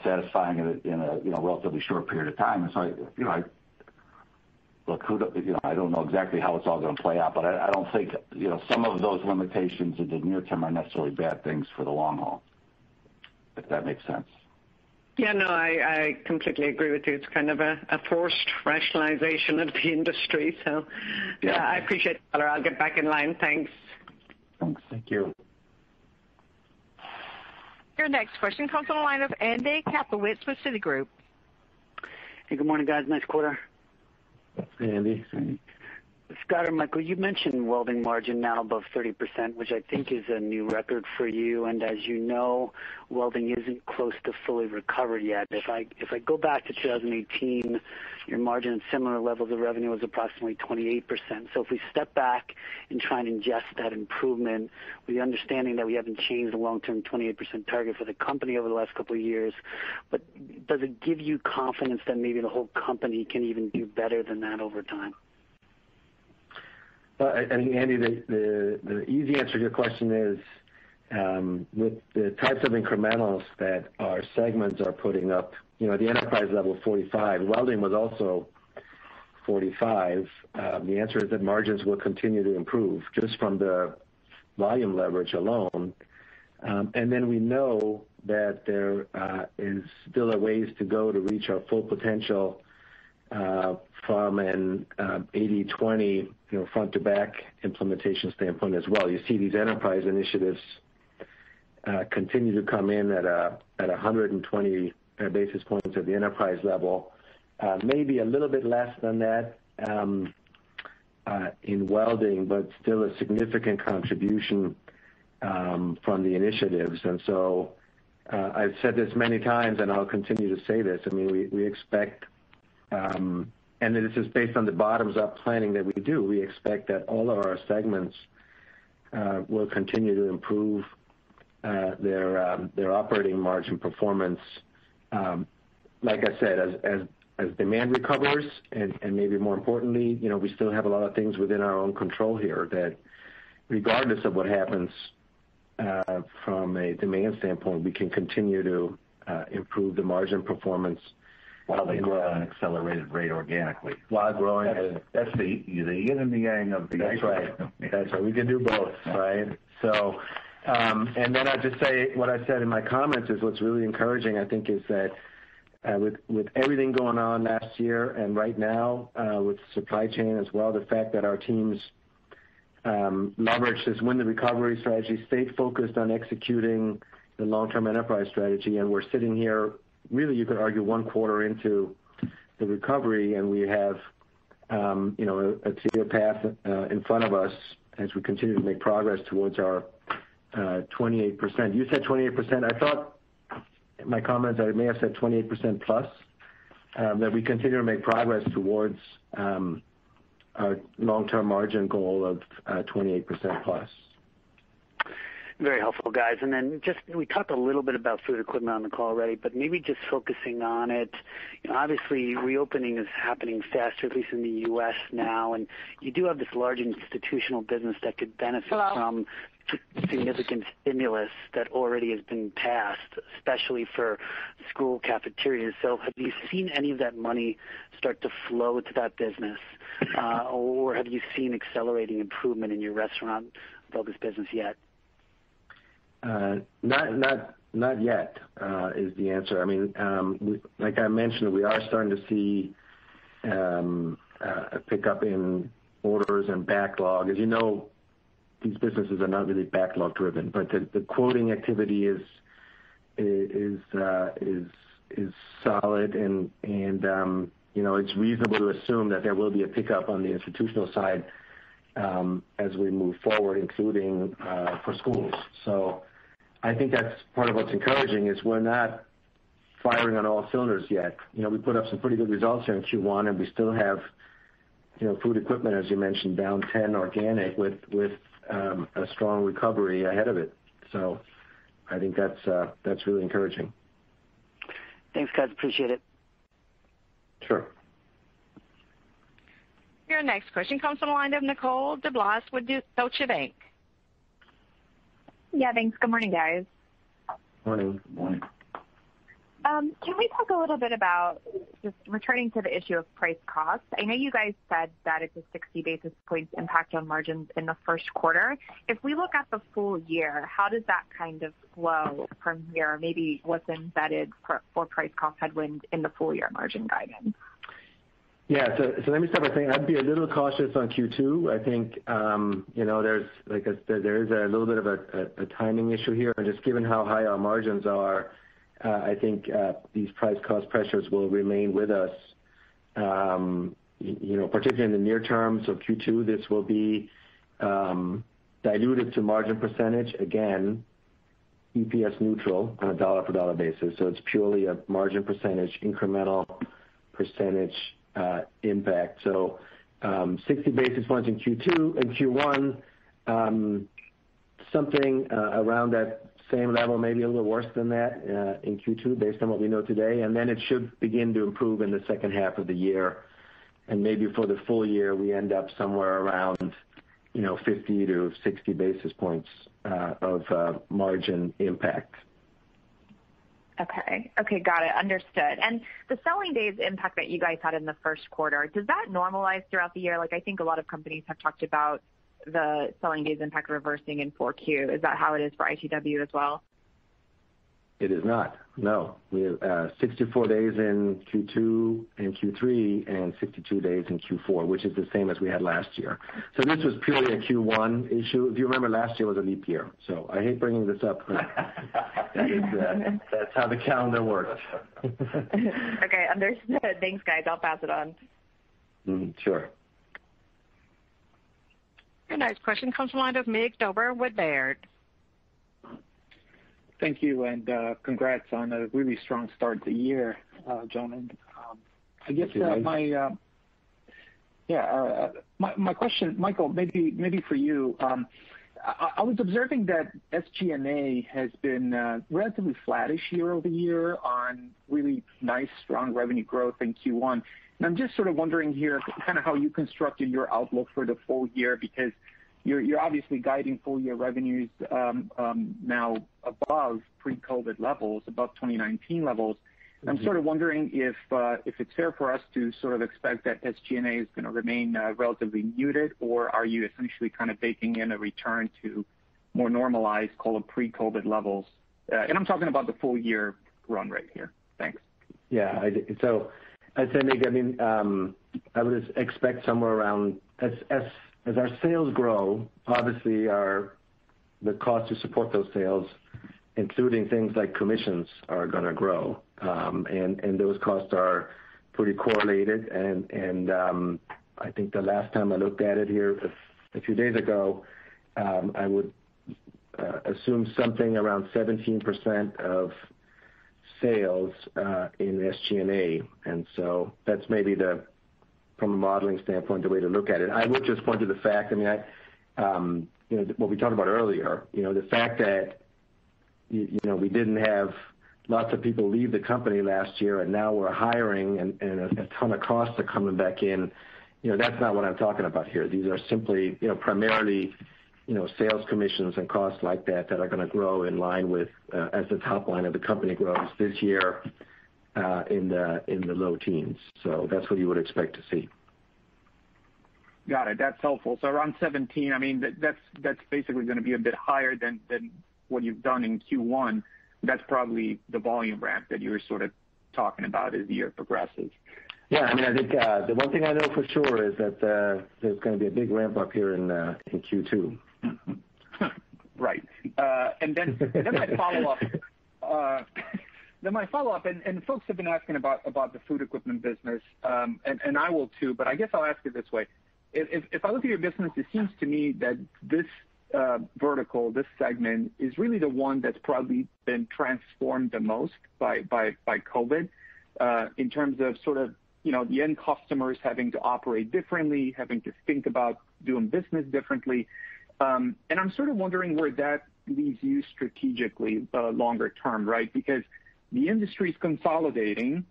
satisfying it in a relatively short period of time. Look, I don't know exactly how it's all going to play out, but I don't think some of those limitations in the near term are necessarily bad things for the long haul. If that makes sense. Yeah, no, I completely agree with you. It's kind of a forced rationalization of the industry. Yeah I appreciate it. I'll get back in line. Thanks. Thanks. Thank you. Your next question comes from the line of Andrew Kaplowitz with Citigroup. Hey, good morning, guys. Nice quarter. Hey, Andy. Hey. Scott or Michael, you mentioned welding margin now above 30%, which I think is a new record for you. As you know, welding isn't close to fully recovered yet. If I go back to 2018, your margin at similar levels of revenue was approximately 28%. If we step back and try and ingest that improvement, with the understanding that we haven't changed the long-term 28% target for the company over the last couple of years, does it give you confidence that maybe the whole company can even do better than that over time? Well, Andy, the easy answer to your question is, with the types of incrementals that our segments are putting up, the enterprise level of 45%, welding was also 45%. The answer is that margins will continue to improve just from the volume leverage alone. We know that there is still a ways to go to reach our full potential from an 80/20 Front-to-Back implementation standpoint as well. You see these enterprise initiatives continue to come in at 120 basis points at the enterprise level. Maybe a little bit less than that in welding, but still a significant contribution from the initiatives. I've said this many times, and I'll continue to say this, we expect, and this is based on the bottoms-up planning that we do, we expect that all of our segments will continue to improve their operating margin performance. Like I said, as demand recovers, and maybe more importantly, we still have a lot of things within our own control here that regardless of what happens from a demand standpoint, we can continue to improve the margin performance while they grow at an accelerated rate organically. While growing. That's the yin and the yang of the- That's right. That's right. We can do both, right? Then I'd just say what I said in my comments is what's really encouraging, I think, is that with everything going on last year and right now, with supply chain as well, the fact that our teams leveraged this Win the Recovery strategy, stayed focused on executing the long-term enterprise strategy, and we're sitting here, really, you could argue, one quarter into the recovery, and we have a clear path in front of us as we continue to make progress towards our 28%. You said 28%. I thought in my comments, I may have said 28% plus, that we continue to make progress towards our long-term margin goal of 28% plus. Very helpful, guys. We talked a little bit about food equipment on the call already, but maybe just focusing on it. Obviously, reopening is happening faster, at least in the U.S. now, and you do have this large institutional business that could benefit from- significant stimulus that already has been passed, especially for school cafeterias. Have you seen any of that money start to flow to that business? Have you seen accelerating improvement in your restaurant-focused business yet? Not yet, is the answer. Like I mentioned, we are starting to see a pickup in orders and backlog. As you know, these businesses are not really backlog driven, but the quoting activity is solid and it's reasonable to assume that there will be a pickup on the institutional side as we move forward, including for schools. I think that's part of what's encouraging, is we're not firing on all cylinders yet. We put up some pretty good results here in Q1, and we still have food equipment, as you mentioned, down 10 organic with a strong recovery ahead of it. I think that's really encouraging. Thanks, guys. Appreciate it. Sure. Your next question comes from the line of Nicole DeBlase with Deutsche Bank. Yeah, thanks. Good morning, guys. Morning. Morning. Can we talk a little bit about just returning to the issue of price cost? I know you guys said that it's a 60 basis points impact on margins in the first quarter. If we look at the full year, how does that kind of flow from here? Maybe what's embedded for price cost headwind in the full year margin guidance? Let me start by saying, I'd be a little cautious on Q2. I think there's, like I said, there is a little bit of a timing issue here. Just given how high our margins are, I think, these price cost pressures will remain with us, particularly in the near term. Q2, this will be dilutive to margin percentage, again, EPS neutral on a dollar-for-dollar basis. It's purely a margin percentage, incremental percentage impact. 60 basis points in Q2 and Q1, something around that same level, maybe a little worse than that, in Q2 based on what we know today. It should begin to improve in the second half of the year. Maybe for the full year, we end up somewhere around 50 to 60 basis points of margin impact. Okay. Got it. Understood. The selling days impact that you guys had in the first quarter, does that normalize throughout the year? I think a lot of companies have talked about the selling days impact reversing in 4Q. Is that how it is for ITW as well? It is not, no. We have 64 days in Q2 and Q3, and 62 days in Q4, which is the same as we had last year. This was purely a Q1 issue. If you remember, last year was a leap year. I hate bringing this up. That's how the calendar works. Okay. Understood. Thanks, guys. I'll pass it on. Mm-hmm. Sure. Your next question comes from the line of Mircea Dobre with Baird. Thank you, congrats on a really strong start to the year, John. Thank you. I guess my question, Michael, maybe for you. I was observing that SG&A has been relatively flattish year-over-year on really nice strong revenue growth in Q1. I'm just sort of wondering here kind of how you constructed your outlook for the full year, because you're obviously guiding full year revenues now above pre-COVID levels, above 2019 levels. I'm sort of wondering if it's fair for us to sort of expect that SG&A is gonna remain relatively muted, or are you essentially kind of baking in a return to more normalized, call it pre-COVID levels? I'm talking about the full year run rate here. Thanks. Yeah. I'd say, Mig, I would expect somewhere around as our sales grow, obviously, the cost to support those sales, including things like commissions, are gonna grow. Those costs are pretty correlated and I think the last time I looked at it here a few days ago, I would assume something around 17% of sales in SG&A. That's maybe from a modeling standpoint, the way to look at it. I would just point to the fact, what we talked about earlier, the fact that we didn't have lots of people leave the company last year, and now we're hiring and a ton of costs are coming back in. That's not what I'm talking about here. These are simply primarily sales commissions and costs like that that are gonna grow in line with as the top line of the company grows this year in the low teens. That's what you would expect to see. Got it. That's helpful. Around 17, that's basically gonna be a bit higher than what you've done in Q1. That's probably the volume ramp that you were sort of talking about as the year progresses. Yeah. I think the one thing I know for sure is that there's gonna be a big ramp up here in Q2. Right. Then my follow-up, and folks have been asking about the food equipment business. I will too, but I guess I'll ask it this way. If I look at your business, it seems to me that this vertical, this segment, is really the one that's probably been transformed the most by COVID, in terms of sort of the end customers having to operate differently, having to think about doing business differently. I'm sort of wondering where that leaves you strategically longer term, right? Because the industry's consolidating.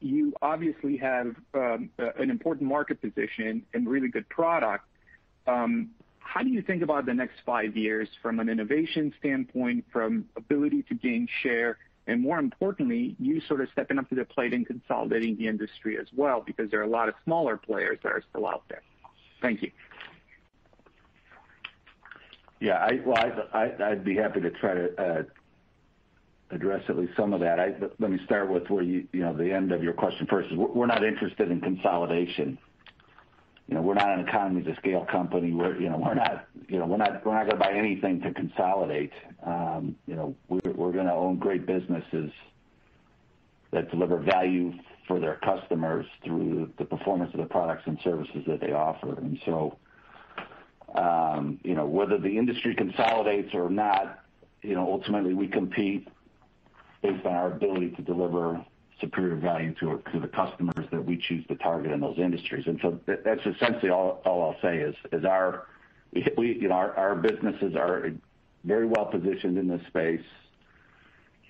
You obviously have an important market position and really good product. How do you think about the next five years from an innovation standpoint, from ability to gain share, and more importantly, you sort of stepping up to the plate and consolidating the industry as well? Because there are a lot of smaller players that are still out there. Thank you. Yeah. I'd be happy to try to address at least some of that. Let me start with the end of your question first. We're not interested in consolidation. We're not an economies of scale company. We're not gonna go buy anything to consolidate. We're gonna own great businesses that deliver value for their customers through the performance of the products and services that they offer. Whether the industry consolidates or not, ultimately we compete based on our ability to deliver superior value to the customers that we choose to target in those industries. That's essentially all I'll say is our businesses are very well-positioned in this space.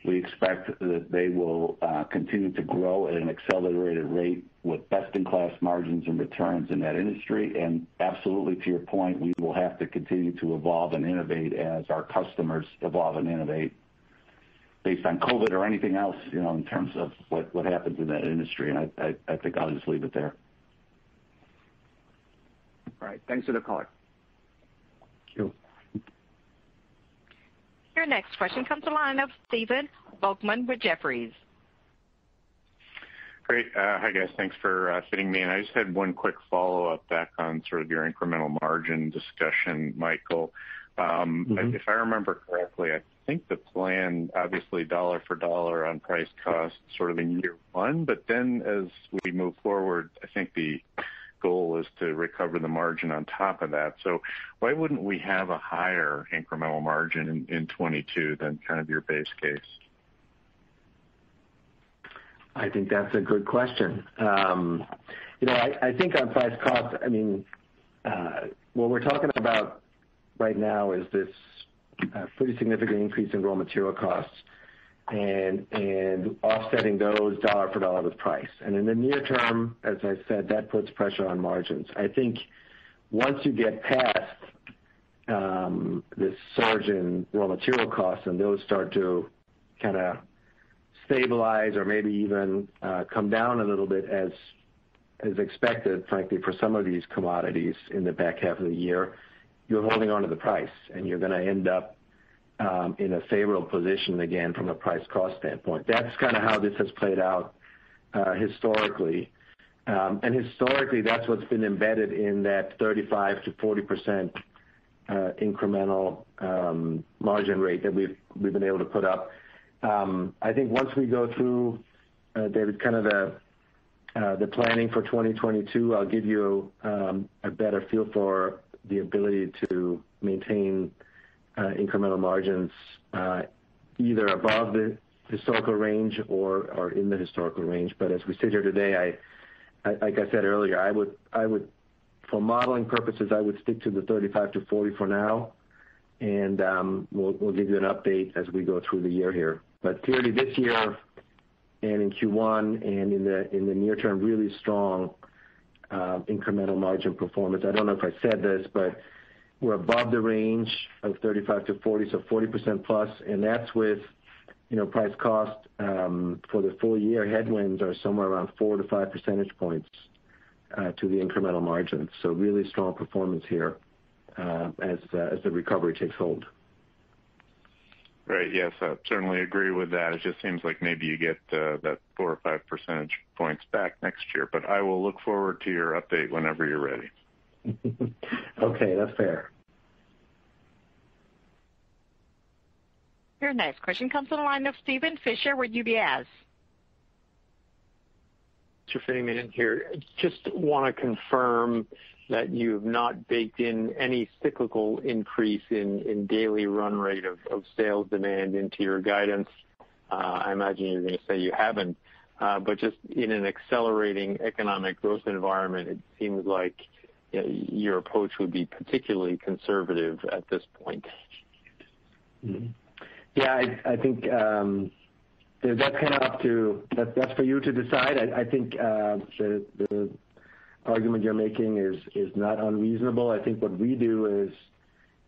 We expect that they will continue to grow at an accelerated rate with best-in-class margins and returns in that industry. Absolutely, to your point, we will have to continue to evolve and innovate as our customers evolve and innovate based on COVID or anything else, in terms of what happens in that industry, and I think I'll just leave it there. All right. Thanks for the color. Thank you. Your next question comes to line of Stephen Volkmann with Jefferies. Great. Hi, guys. Thanks for fitting me in. I just had one quick follow-up back on sort of your incremental margin discussion, Michael. If I remember correctly, I think the plan, obviously dollar for dollar on price cost sort of in year one, but then as we move forward, I think the goal is to recover the margin on top of that. Why wouldn't we have a higher incremental margin in 2022 than kind of your base case? I think that's a good question. I think on price cost, what we're talking about right now is this pretty significant increase in raw material costs and offsetting those dollar for dollar with price. In the near term, as I said, that puts pressure on margins. I think once you get past this surge in raw material costs and those start to kind of stabilize or maybe even come down a little bit as expected, frankly, for some of these commodities in the back half of the year, you're holding onto the price. You're going to end up in a favorable position again from a price cost standpoint. That's kind of how this has played out historically. Historically, that's what's been embedded in that 35%-40% incremental margin rate that we've been able to put up. I think once we go through, kind of the planning for 2022, I'll give you a better feel for the ability to maintain incremental margins either above the historical range or in the historical range. As we sit here today, like I said earlier, for modeling purposes, I would stick to the 35%-40% for now, and we'll give you an update as we go through the year here. Clearly this year and in Q1 and in the near term, really strong incremental margin performance. I don't know if I said this, but we're above the range of 35%-40%, so 40% plus, and that's with price cost for the full year headwinds are somewhere around 4-5 percentage points to the incremental margin. Really strong performance here as the recovery takes hold. Right. Yes, I certainly agree with that. It just seems like maybe you get that four or five percentage points back next year. I will look forward to your update whenever you're ready. Okay, that's fair. Your next question comes from the line of Steven Fisher with UBS. Thanks for fitting me in here. Just want to confirm that you've not baked in any cyclical increase in daily run rate of sales demand into your guidance. I imagine you're going to say you haven't. Just in an accelerating economic growth environment, it seems like your approach would be particularly conservative at this point. Mm-hmm. Yeah, I think that's for you to decide. I think the argument you're making is not unreasonable. I think what we do is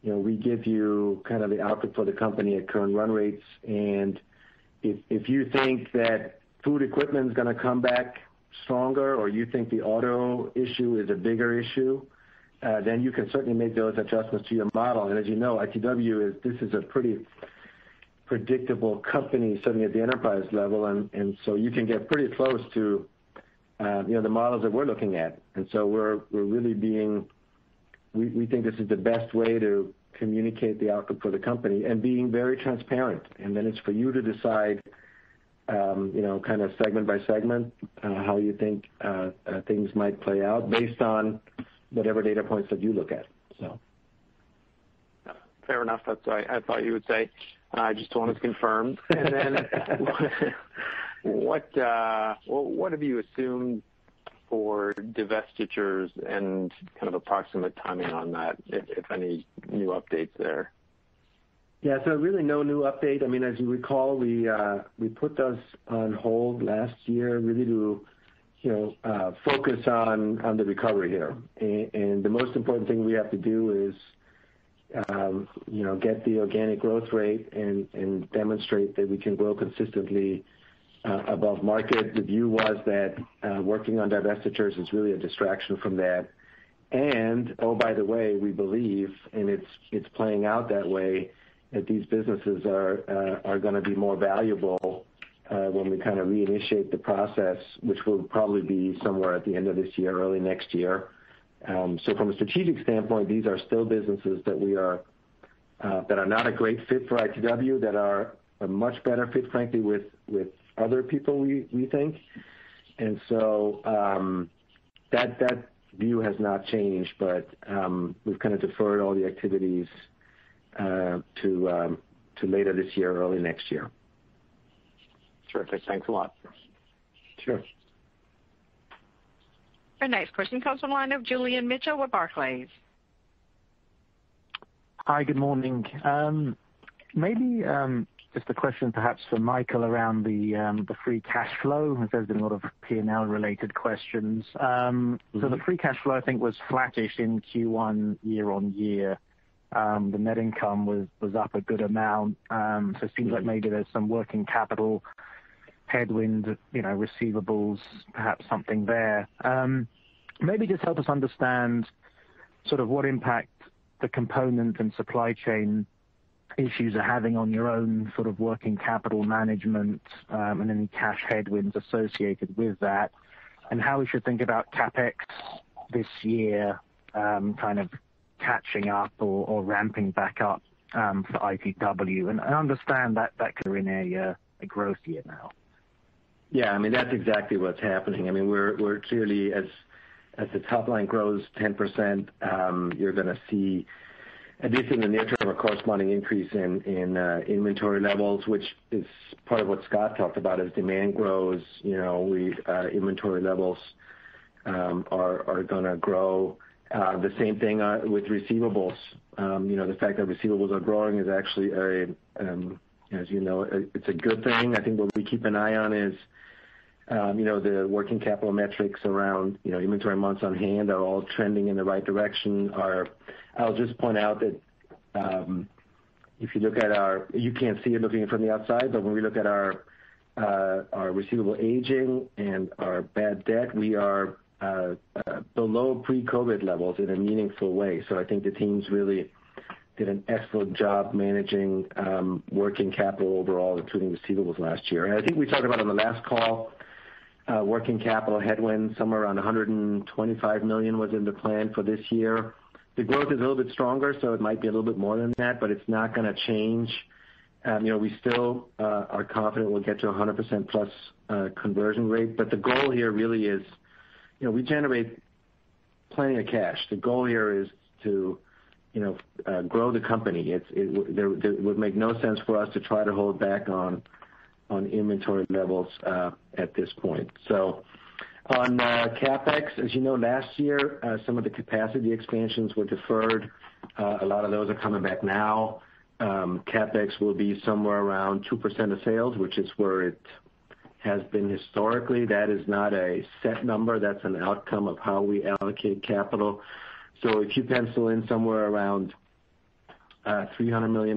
we give you kind of the output for the company at current run rates, and if you think that food equipment's going to come back stronger, or you think the auto issue is a bigger issue, then you can certainly make those adjustments to your model. As you know, ITW is a pretty predictable company, certainly at the enterprise level. You can get pretty close to the models that we're looking at. We think this is the best way to communicate the outcome for the company and being very transparent. It's for you to decide kind of segment by segment how you think things might play out based on whatever data points that you look at. Fair enough. That's what I thought you would say. I just wanted to confirm. What have you assumed for divestitures and kind of approximate timing on that, if any new updates there? Yeah. Really no new update. As you recall, we put those on hold last year really to focus on the recovery here. The most important thing we have to do is get the organic growth rate and demonstrate that we can grow consistently above market. The view was that working on divestitures is really a distraction from that. Oh, by the way, we believe, and it's playing out that way, that these businesses are going to be more valuable when we kind of reinitiate the process, which will probably be somewhere at the end of this year or early next year. From a strategic standpoint, these are still businesses that we are That are not a great fit for ITW that are a much better fit, frankly, with other people, we think. That view has not changed, but we've kind of deferred all the activities to later this year or early next year. Terrific. Thanks a lot. Sure. Our next question comes from the line of Julian Mitchell with Barclays. Hi, good morning. Maybe just a question perhaps for Michael around the free cash flow, as there's been a lot of P&L related questions. The free cash flow I think was flattish in Q1 year-on-year. The net income was up a good amount. It seems like maybe there's some working capital headwind, receivables, perhaps something there. Maybe just help us understand sort of what impact the component and supply chain issues are having on your own sort of working capital management, and any cash headwinds associated with that, and how we should think about CapEx this year, kind of catching up or ramping back up for ITW. I understand that you're in a growth year now. Yeah, that's exactly what's happening. We're clearly, as the top line grows 10%, you're going to see at least in the near term, a corresponding increase in inventory levels, which is part of what Scott talked about. As demand grows, inventory levels are going to grow. The same thing with receivables. The fact that receivables are growing is actually, as you know, it's a good thing. I think what we keep an eye on is the working capital metrics around inventory months on hand are all trending in the right direction. I'll just point out that if you look at our-- You can't see it looking in from the outside, but when we look at our receivable aging and our bad debt, we are below pre-COVID levels in a meaningful way. I think the teams really did an excellent job managing working capital overall, including receivables last year. I think we talked about on the last call, working capital headwinds, somewhere around $125 million was in the plan for this year. The growth is a little bit stronger, so it might be a little bit more than that, but it's not going to change. We still are confident we'll get to 100% plus conversion rate. The goal here really is, we generate plenty of cash. The goal here is to grow the company. It would make no sense for us to try to hold back on inventory levels at this point. On CapEx, as you know, last year some of the capacity expansions were deferred. A lot of those are coming back now. CapEx will be somewhere around 2% of sales, which is where it has been historically. That is not a set number. That's an outcome of how we allocate capital. If you pencil in somewhere around $300 million,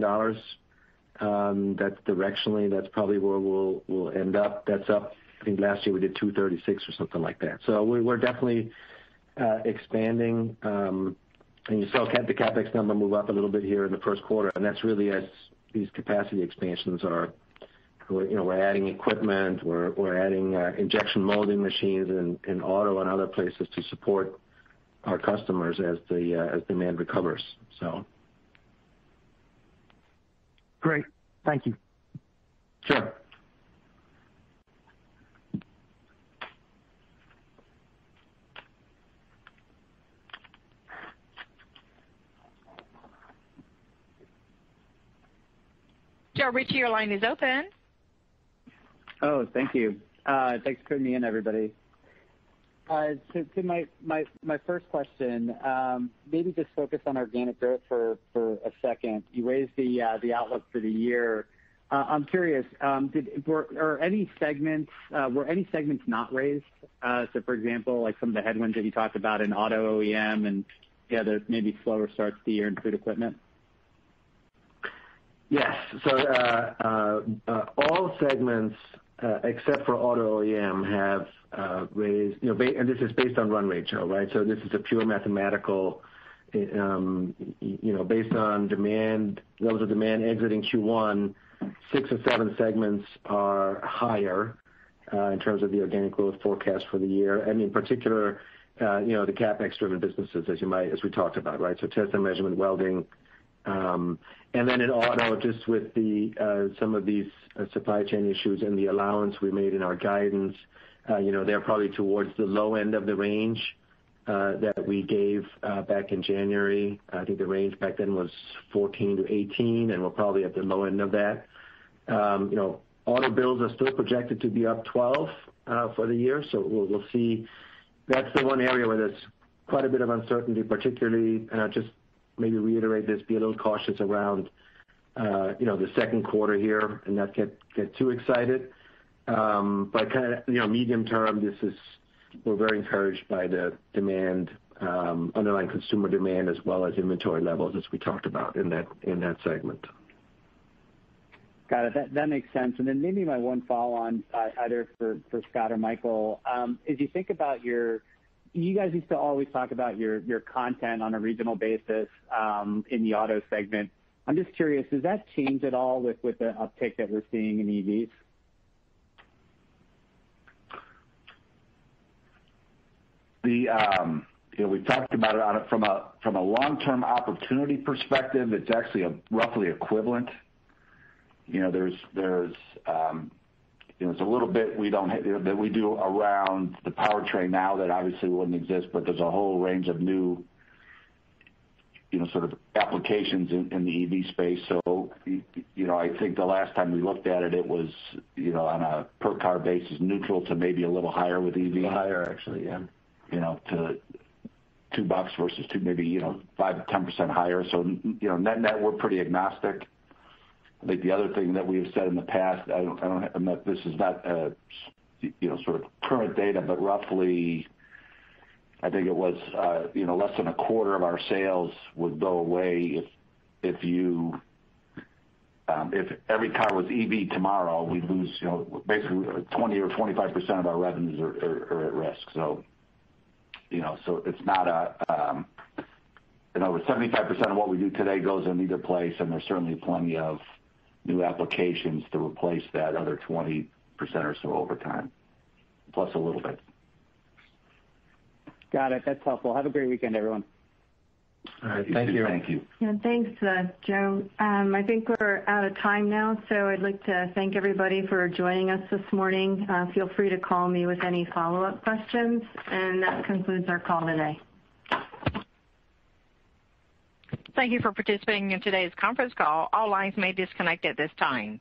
that directionally, that's probably where we'll end up. That's up. I think last year we did $236 million or something like that. We're definitely expanding. You saw the CapEx number move up a little bit here in the first quarter, and that's really as these capacity expansions are. We're adding equipment, we're adding injection molding machines in Auto and other places to support our customers as demand recovers. Great. Thank you. Sure. Joe Ritchie, your line is open. Oh, thank you. Thanks for putting me in, everybody. My first question, maybe just focus on organic growth for a second. You raised the outlook for the year. I'm curious, were any segments not raised? For example, like some of the headwinds that you talked about in auto OEM and the maybe slower start to the year in food equipment. Yes. All segments except for Automotive OEM. This is based on run rate, Joe, right? This is a pure mathematical based on levels of demand exiting Q1. Six of seven segments are higher in terms of the organic growth forecast for the year. In particular, the CapEx driven businesses as we talked about, right? Test and Measurement, Welding. Then in Automotive, just with some of these supply chain issues and the allowance we made in our guidance, they're probably towards the low end of the range that we gave back in January. I think the range back then was 14%-18%, and we're probably at the low end of that. Automotive builds are still projected to be up 12% for the year. We'll see. That's the one area where there's quite a bit of uncertainty particularly, and I'll just maybe reiterate this, be a little cautious around the second quarter here and not get too excited. Kind of medium term, we're very encouraged by the underlying consumer demand as well as inventory levels as we talked about in that segment. Got it. That makes sense. Maybe my one follow on either for Scott or Michael. As you think about, you guys used to always talk about your content on a regional basis in the auto segment. I'm just curious, has that changed at all with the uptick that we're seeing in EVs? We've talked about it from a long-term opportunity perspective, it's actually roughly equivalent. There's a little bit that we do around the powertrain now that obviously wouldn't exist, but there's a whole range of new sort of applications in the EV space. I think the last time we looked at it was on a per car basis neutral to maybe a little higher with EV. A little higher actually, yeah. $2 versus 2, maybe 5%-10% higher. Net net, we're pretty agnostic. I think the other thing that we have said in the past, this is not sort of current data, but roughly I think it was less than a quarter of our sales would go away if every car was EV tomorrow, we'd lose basically 20% or 25% of our revenues are at risk. 75% of what we do today goes in either place, and there's certainly plenty of new applications to replace that other 20% or so over time, plus a little bit. Got it. That's helpful. Have a great weekend, everyone. All right. You too. Thank you. Thank you. Thanks, Joe. I think we're out of time now, so I'd like to thank everybody for joining us this morning. Feel free to call me with any follow-up questions, and that concludes our call today. Thank you for participating in today's conference call. All lines may disconnect at this time.